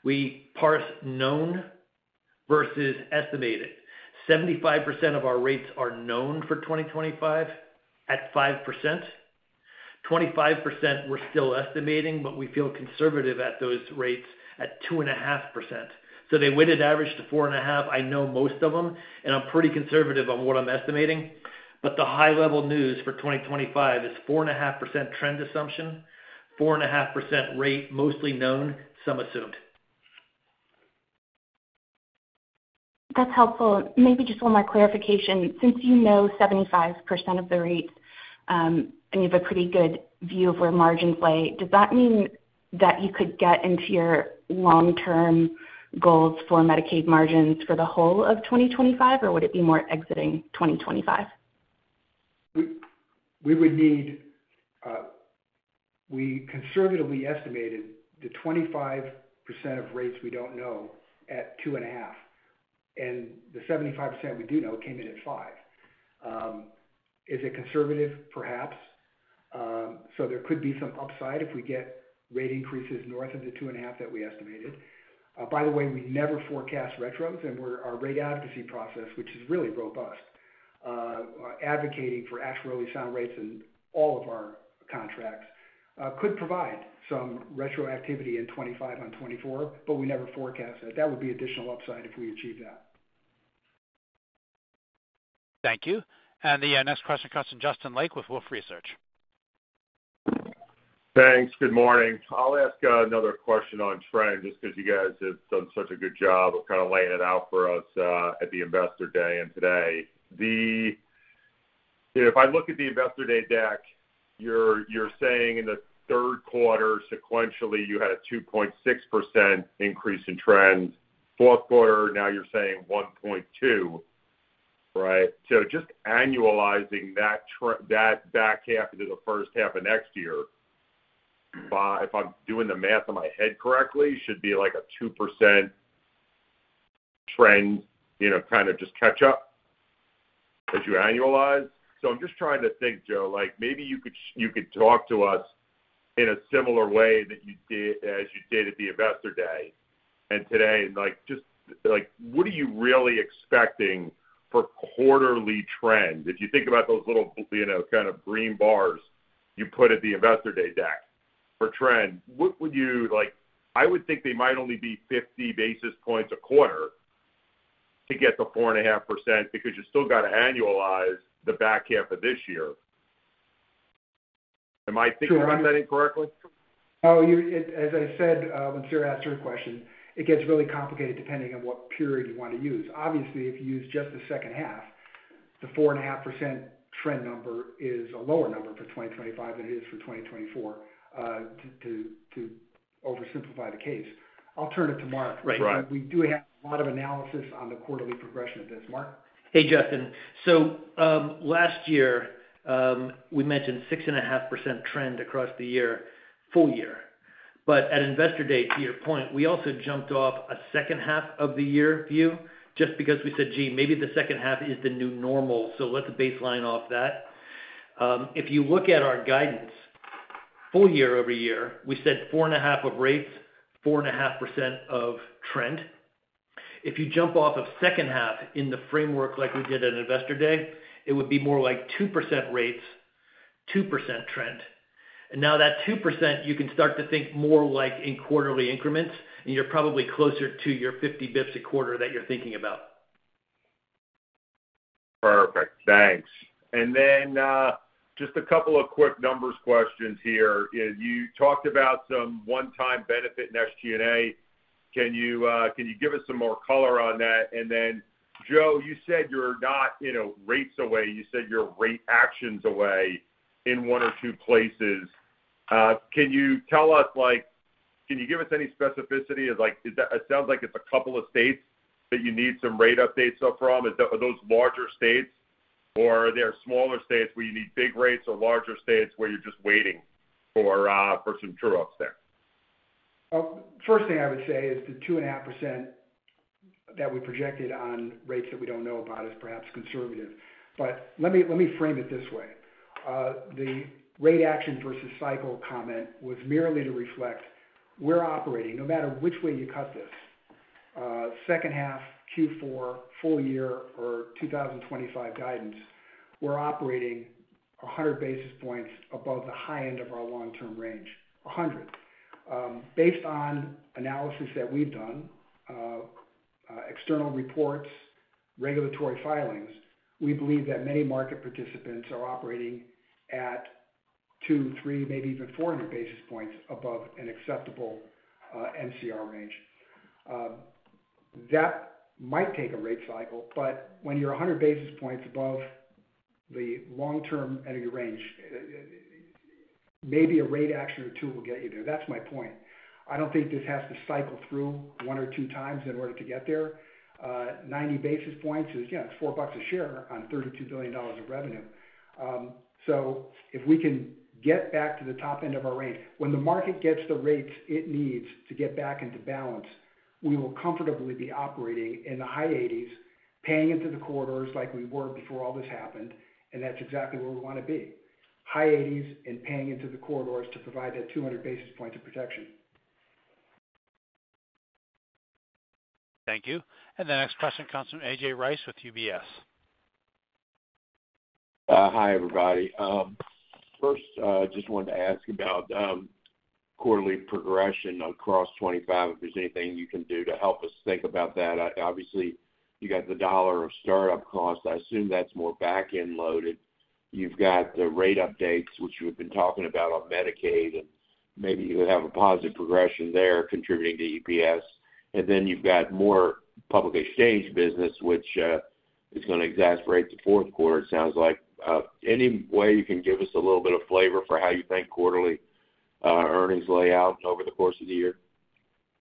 we parse known versus estimated. 75% of our rates are known for 2025 at 5%. 25% we're still estimating but we feel conservative at those rates at 2.5%. So they net at average to 4.5%. I know most of them and I'm pretty conservative on what I'm estimating. But the high-level news for 2025 is 4.5% trend assumption, 4.5% rate mostly known, some assumed. That's helpful. Maybe just one more clarification. Since you know 75% of the rates and you have a pretty good view of where margins lie, does that mean that you could get into your long-term goals for Medicaid margins for the whole of 2025, or would it be more entering 2025? We conservatively estimated the 25% of rates we don't know at 2.5% and the 75% we do know came in at 5%. Is it conservative, perhaps? So there could be some upside if we get rate increases north of the 2.5% that we estimated. By the way, we never forecast retros, and our rate advocacy process, which is really robust, advocating for actually sound rates in all of our contracts, could provide some retroactivity in 2025 on 2024 but we never forecast that. That would be additional upside if we achieve that. Thank you. And the next question comes from Justin Lake with Wolfe Research. Thanks. Good morning. I'll ask another question on trend just because you guys have done such a good job of kind of laying it out for us at the Investor Day and today. If I look at the investor day deck, you're saying in the third quarter, sequentially, you had a 2.6% increase in trend. fourth quarter, now you're saying 1.2%, right? So just annualizing that back half into the first half of next year, if I'm doing the math in my head correctly, should be like a 2% trend, kind of just catch up as you annualize. So I'm just trying to think, Joe, maybe you could talk to us in a similar way that you did at the investor day and today. Just what are you really expecting for quarterly trend? If you think about those little kind of green bars you put at the Investor Day deck for trend, what would you? I would think they might only be 50 basis points a quarter to get the 4.5% because you still got to annualize the back half of this year. Am I thinking about that incorrectly? Oh, as I said, once you're asked your question, it gets really complicated depending on what period you want to use. Obviously, if you use just the second half, the 4.5% trend number is a lower number for 2025 than it is for 2024, to oversimplify the case. I'll turn it to Mark. We do have a lot of analysis on the quarterly progression of this. Mark? Hey, Justin. So last year, we mentioned 6.5% trend across the year, full year. But at investor day, to your point, we also jumped off a second half of the year view just because we said, "Gee, maybe the second half is the new normal." So let's baseline off that. If you look at our guidance, full year-over-year, we said 4.5% rates, 4.5% trend. If you jump off of second half in the framework like we did at investor day, it would be more like 2% rates, 2% trend. And now that 2%, you can start to think more like in quarterly increments and you're probably closer to your 50 basis points a quarter that you're thinking about. Perfect. Thanks. And then just a couple of quick numbers questions here. You talked about some one-time benefit in SG&A. Can you give us some more color on that? And then, Joe, you said you're not rates away. You said you're rate actions away in 1 or 2 places. Can you tell us, can you give us any specificity? It sounds like it's a couple of states that you need some rate updates up from. Are those larger states, or are there smaller states where you need big rates or larger states where you're just waiting for some true-ups there? First thing I would say is the 2.5% that we projected on rates that we don't know about is perhaps conservative. But let me frame it this way. The rate action versus cycle comment was merely to reflect we're operating, no matter which way you cut this, second half, fourth quarter, full year, or 2025 guidance, we're operating 100 basis points above the high end of our long-term range, 100. Based on analysis that we've done, external reports, regulatory filings, we believe that many market participants are operating at 2, 3, maybe even 400 basis points above an acceptable MCR range. That might take a rate cycle, but when you're 100 basis points above the long-term MCR range, maybe a rate action or 2 will get you there. That's my point. I don't think this has to cycle through 1 or 2 times in order to get there. 90 basis points is 4 bucks a share on $32 billion of revenue. So if we can get back to the top end of our range, when the market gets the rates it needs to get back into balance, we will comfortably be operating in the high 80s, paying into the corridors like we were before all this happened and that's exactly where we want to be. High 80s and paying into the corridors to provide that 200 basis points of protection. Thank you. And the next question comes from AJ Rice with UBS. Hi, everybody. First, I just wanted to ask about quarterly progression across 25, if there's anything you can do to help us think about that. Obviously, you got the dollar of startup cost. I assume that's more back-end loaded. You've got the rate updates, which you have been talking about on Medicaid and maybe you have a positive progression there contributing to EPS. And then you've got more public exchange business which is going to exacerbate the fourth quarter, it sounds like. Any way you can give us a little bit of flavor for how you think quarterly earnings lay out over the course of the year?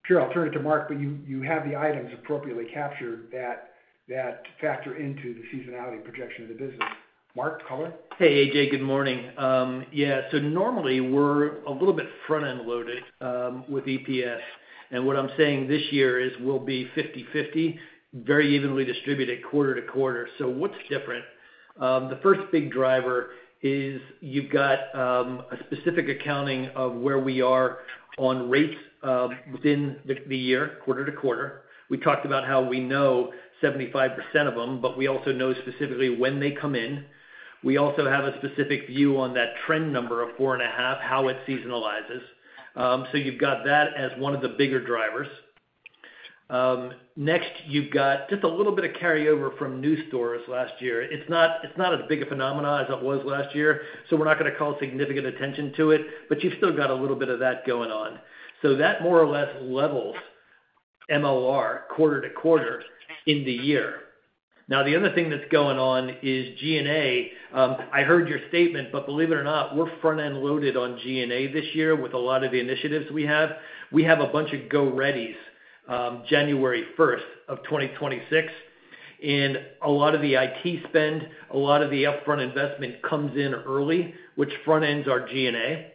Sure. I'll turn it to Mark, but you have the items appropriately captured that factor into the seasonality projection of the business. Mark, color? Hey, AJ, good morning. Yeah. So normally, we're a little bit front-end loaded with EPS. And what I'm saying this year is we'll be 50/50, very evenly distributed quarter-to-quarter. So what's different? The first big driver is you've got a specific accounting of where we are on rates within the year, quarter-to-quarter. We talked about how we know 75% of them but we also know specifically when they come in. We also have a specific view on that trend number of 4.5, how it seasonalizes. So you've got that as one of the bigger drivers. Next, you've got just a little bit of carryover from new stores last year. It's not as big a phenomenon as it was last year so we're not going to call significant attention to it but you've still got a little bit of that going on. So that more or less levels MLR quarter-to-quarter in the year. Now, the other thing that's going on is G&A. I heard your statement, but believe it or not, we're front-end loaded on G&A this year with a lot of the initiatives we have. We have a bunch of go-readies January 1st of 2026 and a lot of the IT spend, a lot of the upfront investment comes in early, which front-ends our G&A.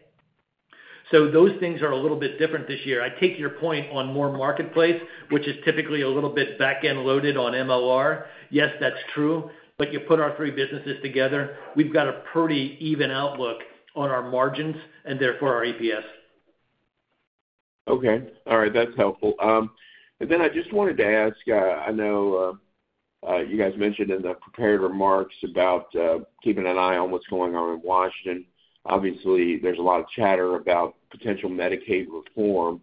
So those things are a little bit different this year. I take your point on more marketplace, which is typically a little bit back-end loaded on MLR. Yes, that's true, but you put our three businesses together, we've got a pretty even outlook on our margins and therefore our EPS. Okay. All right. That's helpful. And then I just wanted to ask, I know you guys mentioned in the prepared remarks about keeping an eye on what's going on in Washington. Obviously, there's a lot of chatter about potential Medicaid reform.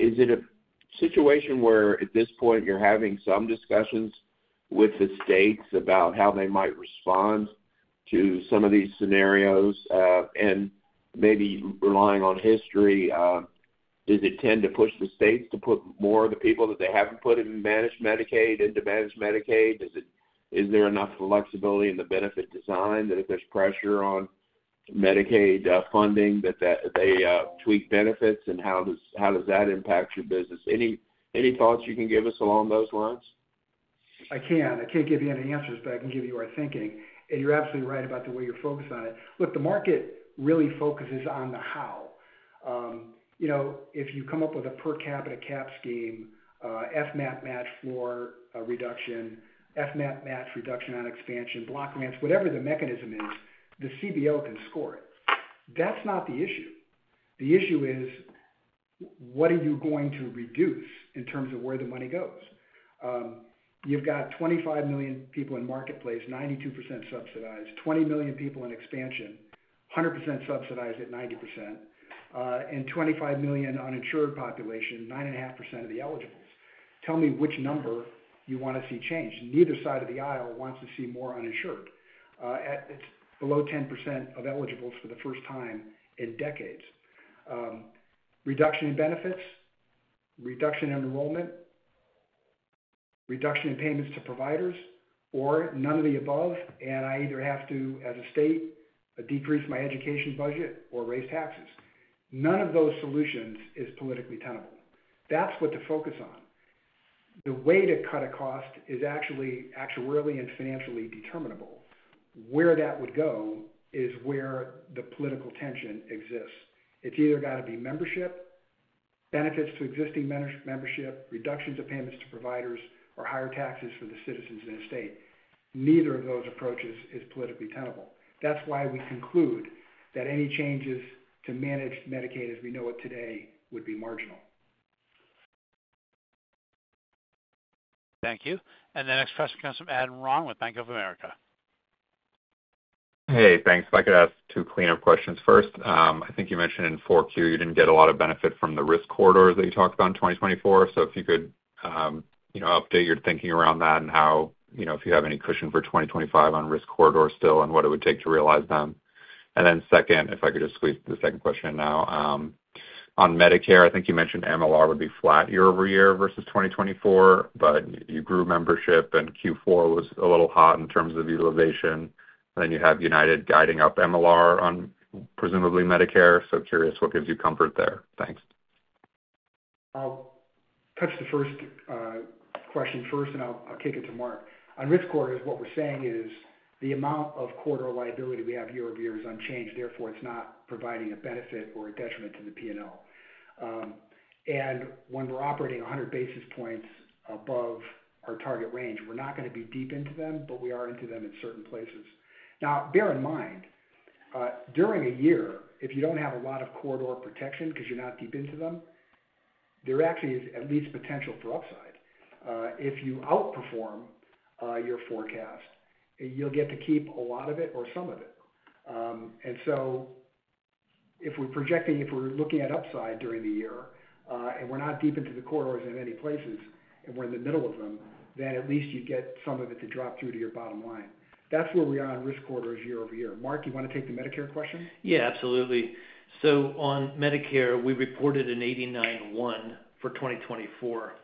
Is it a situation where at this point you're having some discussions with the states about how they might respond to some of these scenarios? And maybe relying on history, does it tend to push the states to put more of the people that they haven't put in managed Medicaid into managed Medicaid? Is there enough flexibility in the benefit design that if there's pressure on Medicaid funding, that they tweak benefits, and how does that impact your business? Any thoughts you can give us along those lines? I can't. I can't give you any answers but I can give you our thinking. And you're absolutely right about the way you're focused on it. Look, the market really focuses on the how. If you come up with a per capita cap scheme, FMAP match floor reduction, FMAP match reduction on expansion, block grants, whatever the mechanism is, the CBO can score it. That's not the issue. The issue is, what are you going to reduce in terms of where the money goes? You've got 25 million people in marketplace, 92% subsidized, 20 million people in expansion, 100% subsidized at 90% and 25 million uninsured population, 9.5% of the eligibles. Tell me which number you want to see change. Neither side of the aisle wants to see more uninsured. It's below 10% of eligibles for the first time in decades. Reduction in benefits, reduction in enrollment, reduction in payments to providers, or none of the above. And I either have to, as a state, decrease my education budget or raise taxes. None of those solutions is politically tenable. That's what to focus on. The way to cut a cost is actually actuarially and financially determinable. Where that would go is where the political tension exists. It's either got to be membership, benefits to existing membership, reductions of payments to providers or higher taxes for the citizens in a state. Neither of those approaches is politically tenable. That's why we conclude that any changes to managed Medicaid as we know it today would be marginal. Thank you. And the next question comes from Adam Ron with Bank of America. Hey, thanks. If I could ask 2 cleanup questions first. I think you mentioned in Q4 you didn't get a lot of benefit from the risk corridors that you talked about in 2024. So if you could update your thinking around that and if you have any cushion for 2025 on risk corridors still and what it would take to realize them. And then second, if I could just squeeze the second question now. On Medicare, I think you mentioned MLR would be flat year-over-year versus 2024, but you grew membership and Q4 was a little hot in terms of utilization. Then you have United guiding up MLR on presumably Medicare. So curious what gives you comfort there. Thanks. I'll touch the first question first and I'll kick it to Mark. On risk corridors, what we're saying is the amount of quarter liability we have year-over-year is unchanged. Therefore, it's not providing a benefit or a detriment to the P&L. And when we're operating 100 basis points above our target range, we're not going to be deep into them but we are into them in certain places. Now, bear in mind, during a year, if you don't have a lot of corridor protection because you're not deep into them, there actually is at least potential for upside. If you outperform your forecast, you'll get to keep a lot of it or some of it. And so if we're projecting, if we're looking at upside during the year and we're not deep into the corridors in many places and we're in the middle of them, then at least you get some of it to drop through to your bottom line. That's where we are on risk corridors year-over-year. Mark, you want to take the Medicare question? Yeah, absolutely. So on Medicare, we reported an 89.1 for 2024.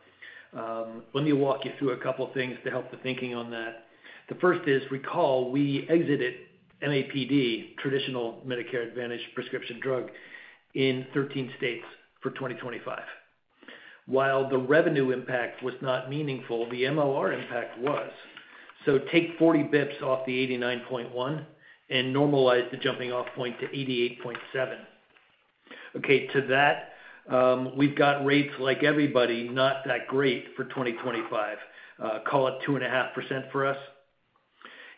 Let me walk you through a couple of things to help the thinking on that. The first is, recall, we exited MAPD, traditional Medicare Advantage prescription drug, in 13 states for 2025. While the revenue impact was not meaningful, the MLR impact was. So take 40 basis points off the 89.1 and normalize the jumping-off point to 88.7. Okay. To that, we've got rates like everybody, not that great for 2025. Call it 2.5% for us.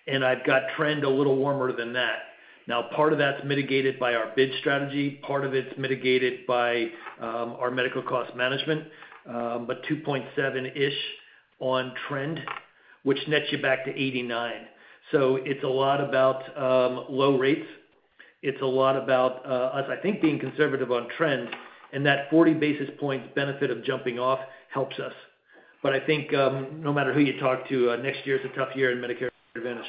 And I've got trend a little warmer than that. Now, part of that's mitigated by our bid strategy, part of it's mitigated by our medical cost management, but 2.7-ish on trend which nets you back to 89. So it's a lot about low rates. It's a lot about us, I think, being conservative on trend and that 40 basis points benefit of jumping off helps us. But I think no matter who you talk to, next year is a tough year in Medicare Advantage.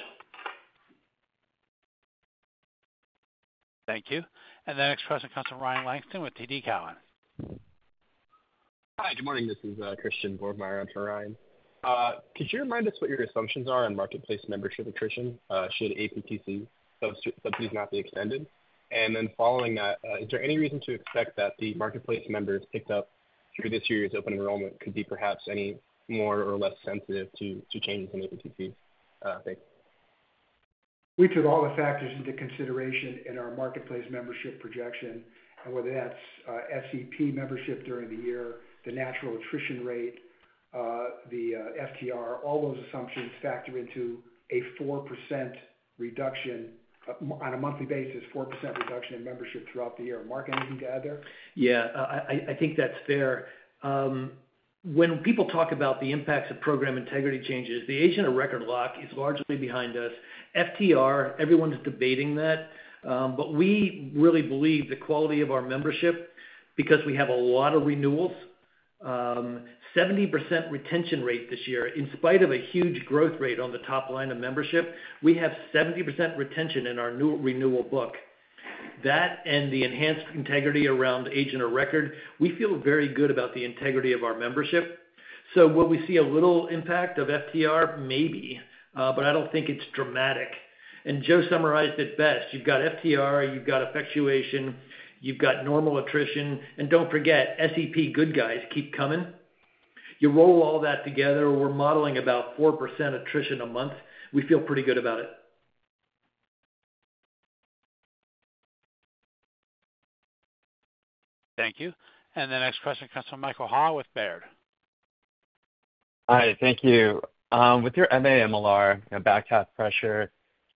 Thank you. And the next question comes from Ryan Langston with TD Cowen. Hi, good morning. This is Christian Borgmeyer for Ryan. Could you remind us what your assumptions are on Marketplace membership attrition should APTC subsidies not be extended? And then following that, is there any reason to expect that the Marketplace members picked up through this year's open enrollment could be perhaps any more or less sensitive to changes in APTC? Thanks. We took all the factors into consideration in our marketplace membership projection and whether that's SEP membership during the year, the natural attrition rate, the FTR, all those assumptions factor into a 4% reduction on a monthly basis, 4% reduction in membership throughout the year. Mark, anything to add there? Yeah. I think that's fair. When people talk about the impacts of program integrity changes, the agent of record lock is largely behind us. FTR, everyone's debating that but we really believe the quality of our membership because we have a lot of renewals, 70% retention rate this year, in spite of a huge growth rate on the top line of membership, we have 70% retention in our new renewal book. That and the enhanced integrity around agent of record, we feel very good about the integrity of our membership. So will we see a little impact of FTR? Maybe, but I don't think it's dramatic. And Joe summarized it best. You've got FTR, you've got effectuation, you've got normal attrition and don't forget, SEP good guys keep coming. You roll all that together, we're modeling about 4% attrition a month. We feel pretty good about it. Thank you. And the next question comes from Michael Ha with Baird. Hi. Thank you. With your MA MLR and back half pressure,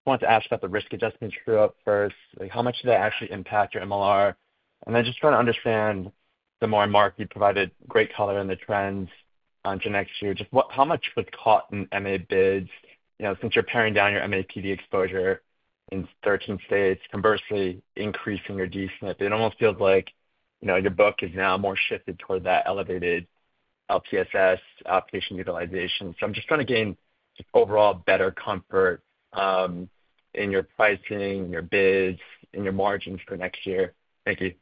I want to ask about the risk adjustments you drew down first. How much did that actually impact your MLR? And then just trying to understand the more that Mark provided great color in the trends on, just how much was caught in MA bids since you're paring down your MAPD exposure in 13 states, conversely increasing your D-SNP? It almost feels like your book is now more shifted toward that elevated LTSS population utilization. So I'm just trying to gain overall better comfort in your pricing, your bids, and your margins for next year. Thank you.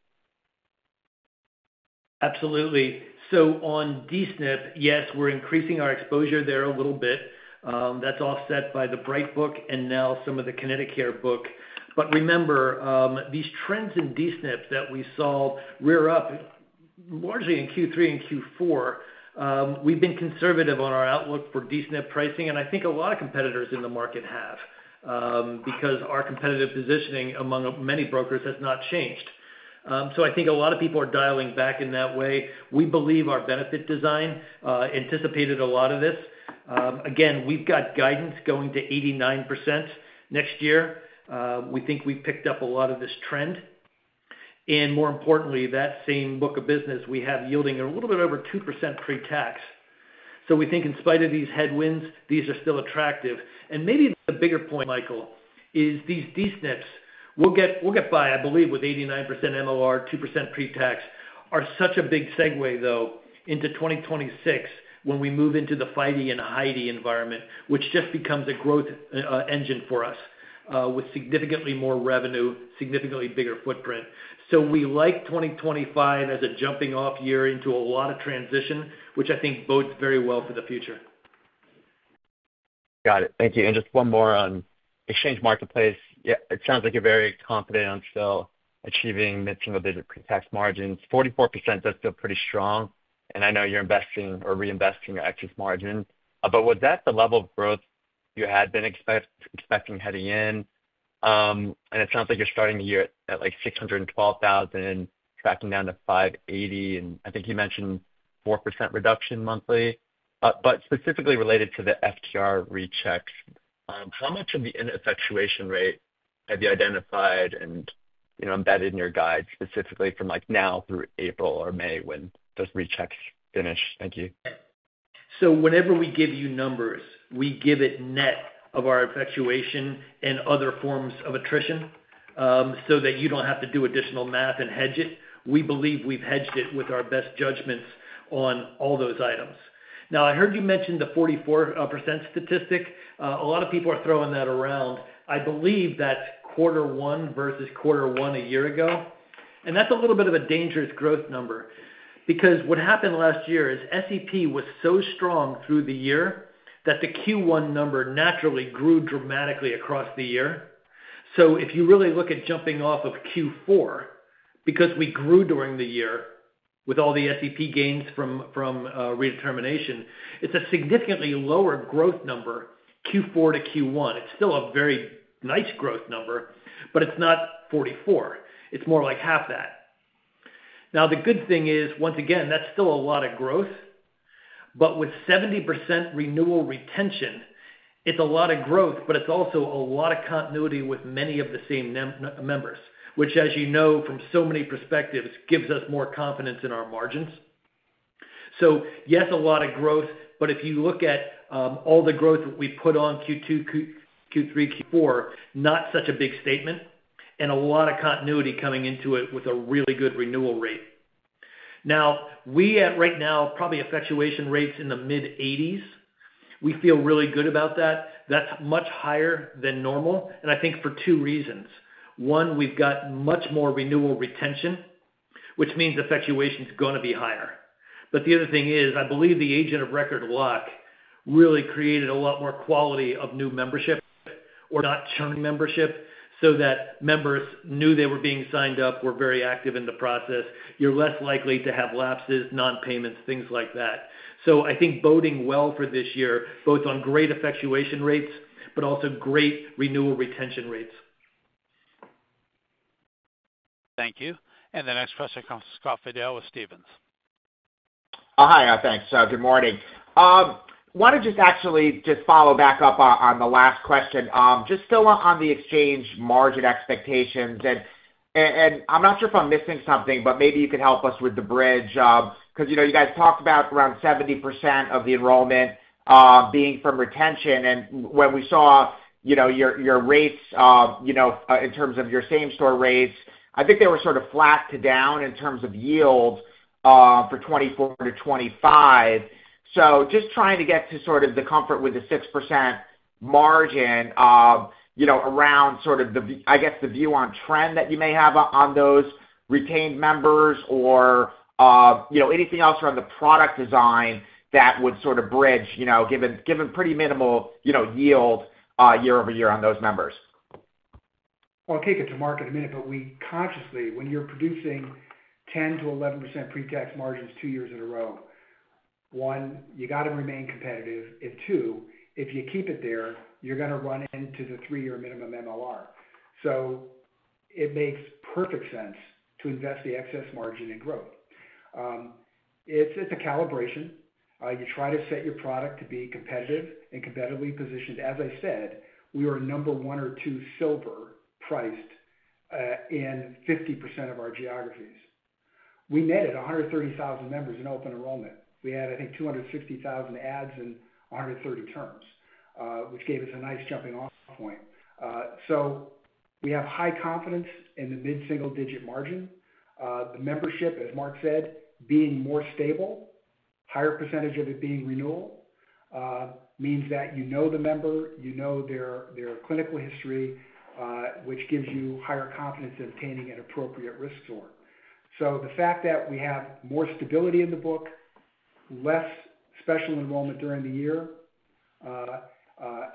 Absolutely. So on D-SNP, yes, we're increasing our exposure there a little bit. That's offset by the Bright book and now some of the ConnectiCare book. But remember, these trends in D-SNP that we saw rear up largely in Q3 and Q4, we've been conservative on our outlook for D-SNP pricing and I think a lot of competitors in the market have because our competitive positioning among many brokers has not changed. So I think a lot of people are dialing back in that way. We believe our benefit design anticipated a lot of this. Again, we've got guidance going to 89% next year. We think we've picked up a lot of this trend. And more importantly, that same book of business we have yielding a little bit over 2% pre-tax. So we think in spite of these headwinds, these are still attractive. And maybe the bigger point, Michael, is these D-SNPs. We'll get by, I believe with 89% MLR, 2% pre-tax are such a big segue though into 2026 when we move into the FIDE and HIDE environment, which just becomes a growth engine for us with significantly more revenue, significantly bigger footprint. So we like 2025 as a jumping-off year into a lot of transition, which I think bodes very well for the future. Got it. Thank you and just one more on exchange marketplace. It sounds like you're very confident on still achieving mid-single digit pre-tax margins. 44% does feel pretty strong. And I know you're investing or reinvesting your excess margin. But was that the level of growth you had been expecting heading in? And it sounds like you're starting the year at like 612,000 and tracking down to 580 and I think you mentioned 4% reduction monthly. But specifically related to the FTR rechecks, how much of the effectuation rate have you identified and embedded in your guide specifically from now through April or May when those rechecks finish? Thank you. So whenever we give you numbers, we give it net of our effectuation and other forms of attrition so that you don't have to do additional math and hedge it. We believe we've hedged it with our best judgments on all those items. Now, I heard you mention the 44% statistic. A lot of people are throwing that around. I believe that's Q1 versus Q1 a year ago. That's a little bit of a dangerous growth number because what happened last year is SEP was so strong through the year that the Q1 number naturally grew dramatically across the year. So if you really look at jumping off of Q4, because we grew during the year with all the SEP gains from redetermination, it's a significantly lower growth number Q4 to Q1. It's still a very nice growth number, but it's not 44. It's more like half that. Now, the good thing is, once again, that's still a lot of growth. But with 70% renewal retention, it's a lot of growth but it's also a lot of continuity with many of the same members, which, as you know, from so many perspectives, gives us more confidence in our margins. Yes, a lot of growth, but if you look at all the growth that we put on Q2, Q3, Q4, not such a big statement, and a lot of continuity coming into it with a really good renewal rate. Now, we at right now probably effectuation rates in the mid-80s. We feel really good about that. That's much higher than normal, and I think for 2 reasons. One, we've got much more renewal retention, which means effectuation is going to be higher. But the other thing is, I believe the agent of record lock really created a lot more quality of new membership or not churn membership so that members knew they were being signed up, were very active in the process. You're less likely to have lapses, non-payments, things like that. So I think boding well for this year, both on great effectuation rates, but also great renewal retention rates. Thank you. And the next question comes from Scott Fidel with Stephens. Hi, thanks. Good morning. Wanted to just actually just follow back up on the last question. Just still on the exchange margin expectations and I'm not sure if I'm missing something, but maybe you could help us with the bridge because you guys talked about around 70% of the enrollment being from retention and when we saw your rates in terms of your same store rates, I think they were sort of flat to down in terms of yield for 24-25. So just trying to get to sort of the comfort with the 6% margin around sort of the, I guess, the view on trend that you may have on those retained members or anything else around the product design that would sort of bridge given pretty minimal yield year-over-year on those members? Well, I'll take it to Mark in a minute, but we consciously, when you're producing 10%-11% pre-tax margins 2 years in a row, one, you got to remain competitive and two, if you keep it there, you're going to run into the 3-year minimum MLR. So it makes perfect sense to invest the excess margin in growth. It's a calibration, you try to set your product to be competitive and competitively positioned. As I said, we were number 1 or 2 silver priced in 50% of our geographies. We netted 130,000 members in open enrollment. We had, I think, 260,000 adds and 130 terms, which gave us a nice jumping-off point. So we have high confidence in the mid-single digit margin. The membership, as Mark said, being more stable, higher percentage of it being renewal means that you know the member, you know their clinical history, which gives you higher confidence in obtaining an appropriate risk score. So the fact that we have more stability in the book, less special enrollment during the year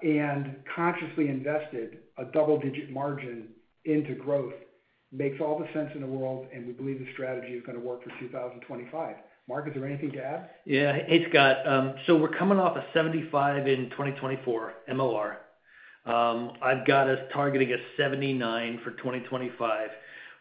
and consciously invested a double-digit margin into growth makes all the sense in the world, and we believe the strategy is going to work for 2025. Mark, is there anything to add? Yeah. Hey, Scott. So we're coming off a 75 in 2024 MLR. I've got us targeting a 79% for 2025,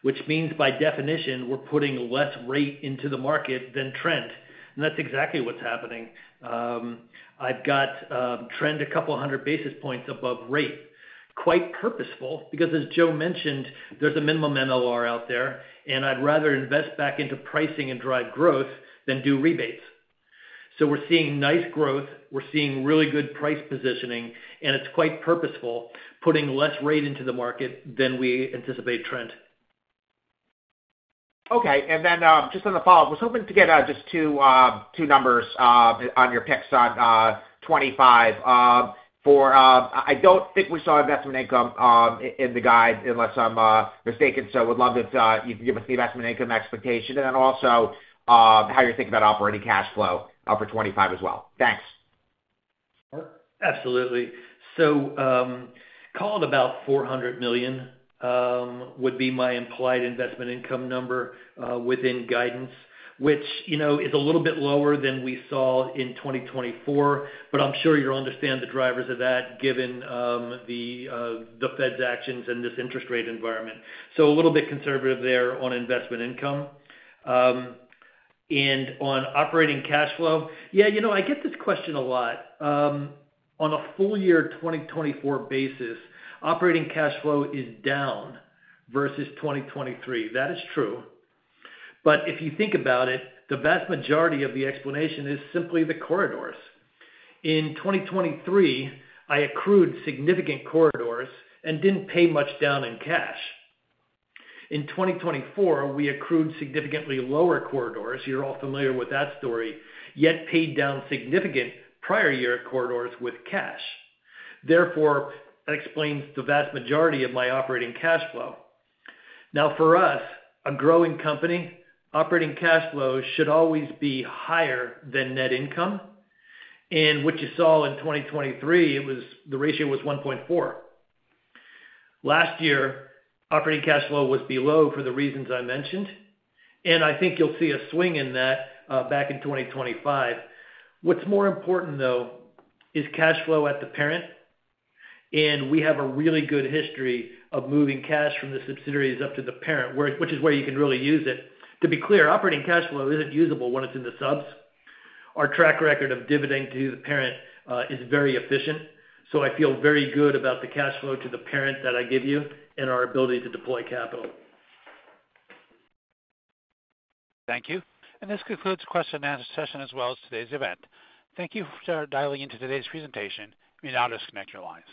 which means by definition, we're putting less rate into the market than trend. And that's exactly what's happening. I've got trend a couple hundred basis points above rate. Quite purposeful because, as Joe mentioned, there's a minimum MLR out there and I'd rather invest back into pricing and drive growth than do rebates. So we're seeing nice growth. We're seeing really good price positioning, and it's quite purposeful putting less rate into the market than we anticipate trend. Okay and then just on the follow-up, I was hoping to get just 2 numbers on your picks on 25. I don't think we saw investment income in the guide unless I'm mistaken, so I would love if you could give us the investment income expectation and then also how you're thinking about operating cash flow for 25 as well. Thanks. Absolutely. Call it about $400 million would be my implied investment income number within guidance, which is a little bit lower than we saw in 2024 but I'm sure you'll understand the drivers of that given the Fed's actions and this interest rate environment. So a little bit conservative there on investment income. And on operating cash flow, yeah, I get this question a lot. On a full year 2024 basis, operating cash flow is down versus 2023. That is true. But if you think about it, the vast majority of the explanation is simply the corridors. In 2023, I accrued significant corridors and didn't pay much down in cash. In 2024, we accrued significantly lower corridors, you're all familiar with that story. Yet paid down significant prior year corridors with cash. Therefore, that explains the vast majority of my operating cash flow. Now, for us, a growing company, operating cash flow should always be higher than net income. And what you saw in 2023, the ratio was 1.4. Last year, operating cash flow was below for the reasons I mentioned and I think you'll see a swing in that back in 2025. What's more important though is cash flow at the parent and we have a really good history of moving cash from the subsidiaries up to the parent, which is where you can really use it. To be clear, operating cash flow isn't usable when it's in the subs. Our track record of dividend to the parent is very efficient. So I feel very good about the cash flow to the parent that I give you and our ability to deploy capital. Thank you. And this concludes the question and answer session as well as today's event. Thank you for dialing into today's presentation. You may now disconnect your lines.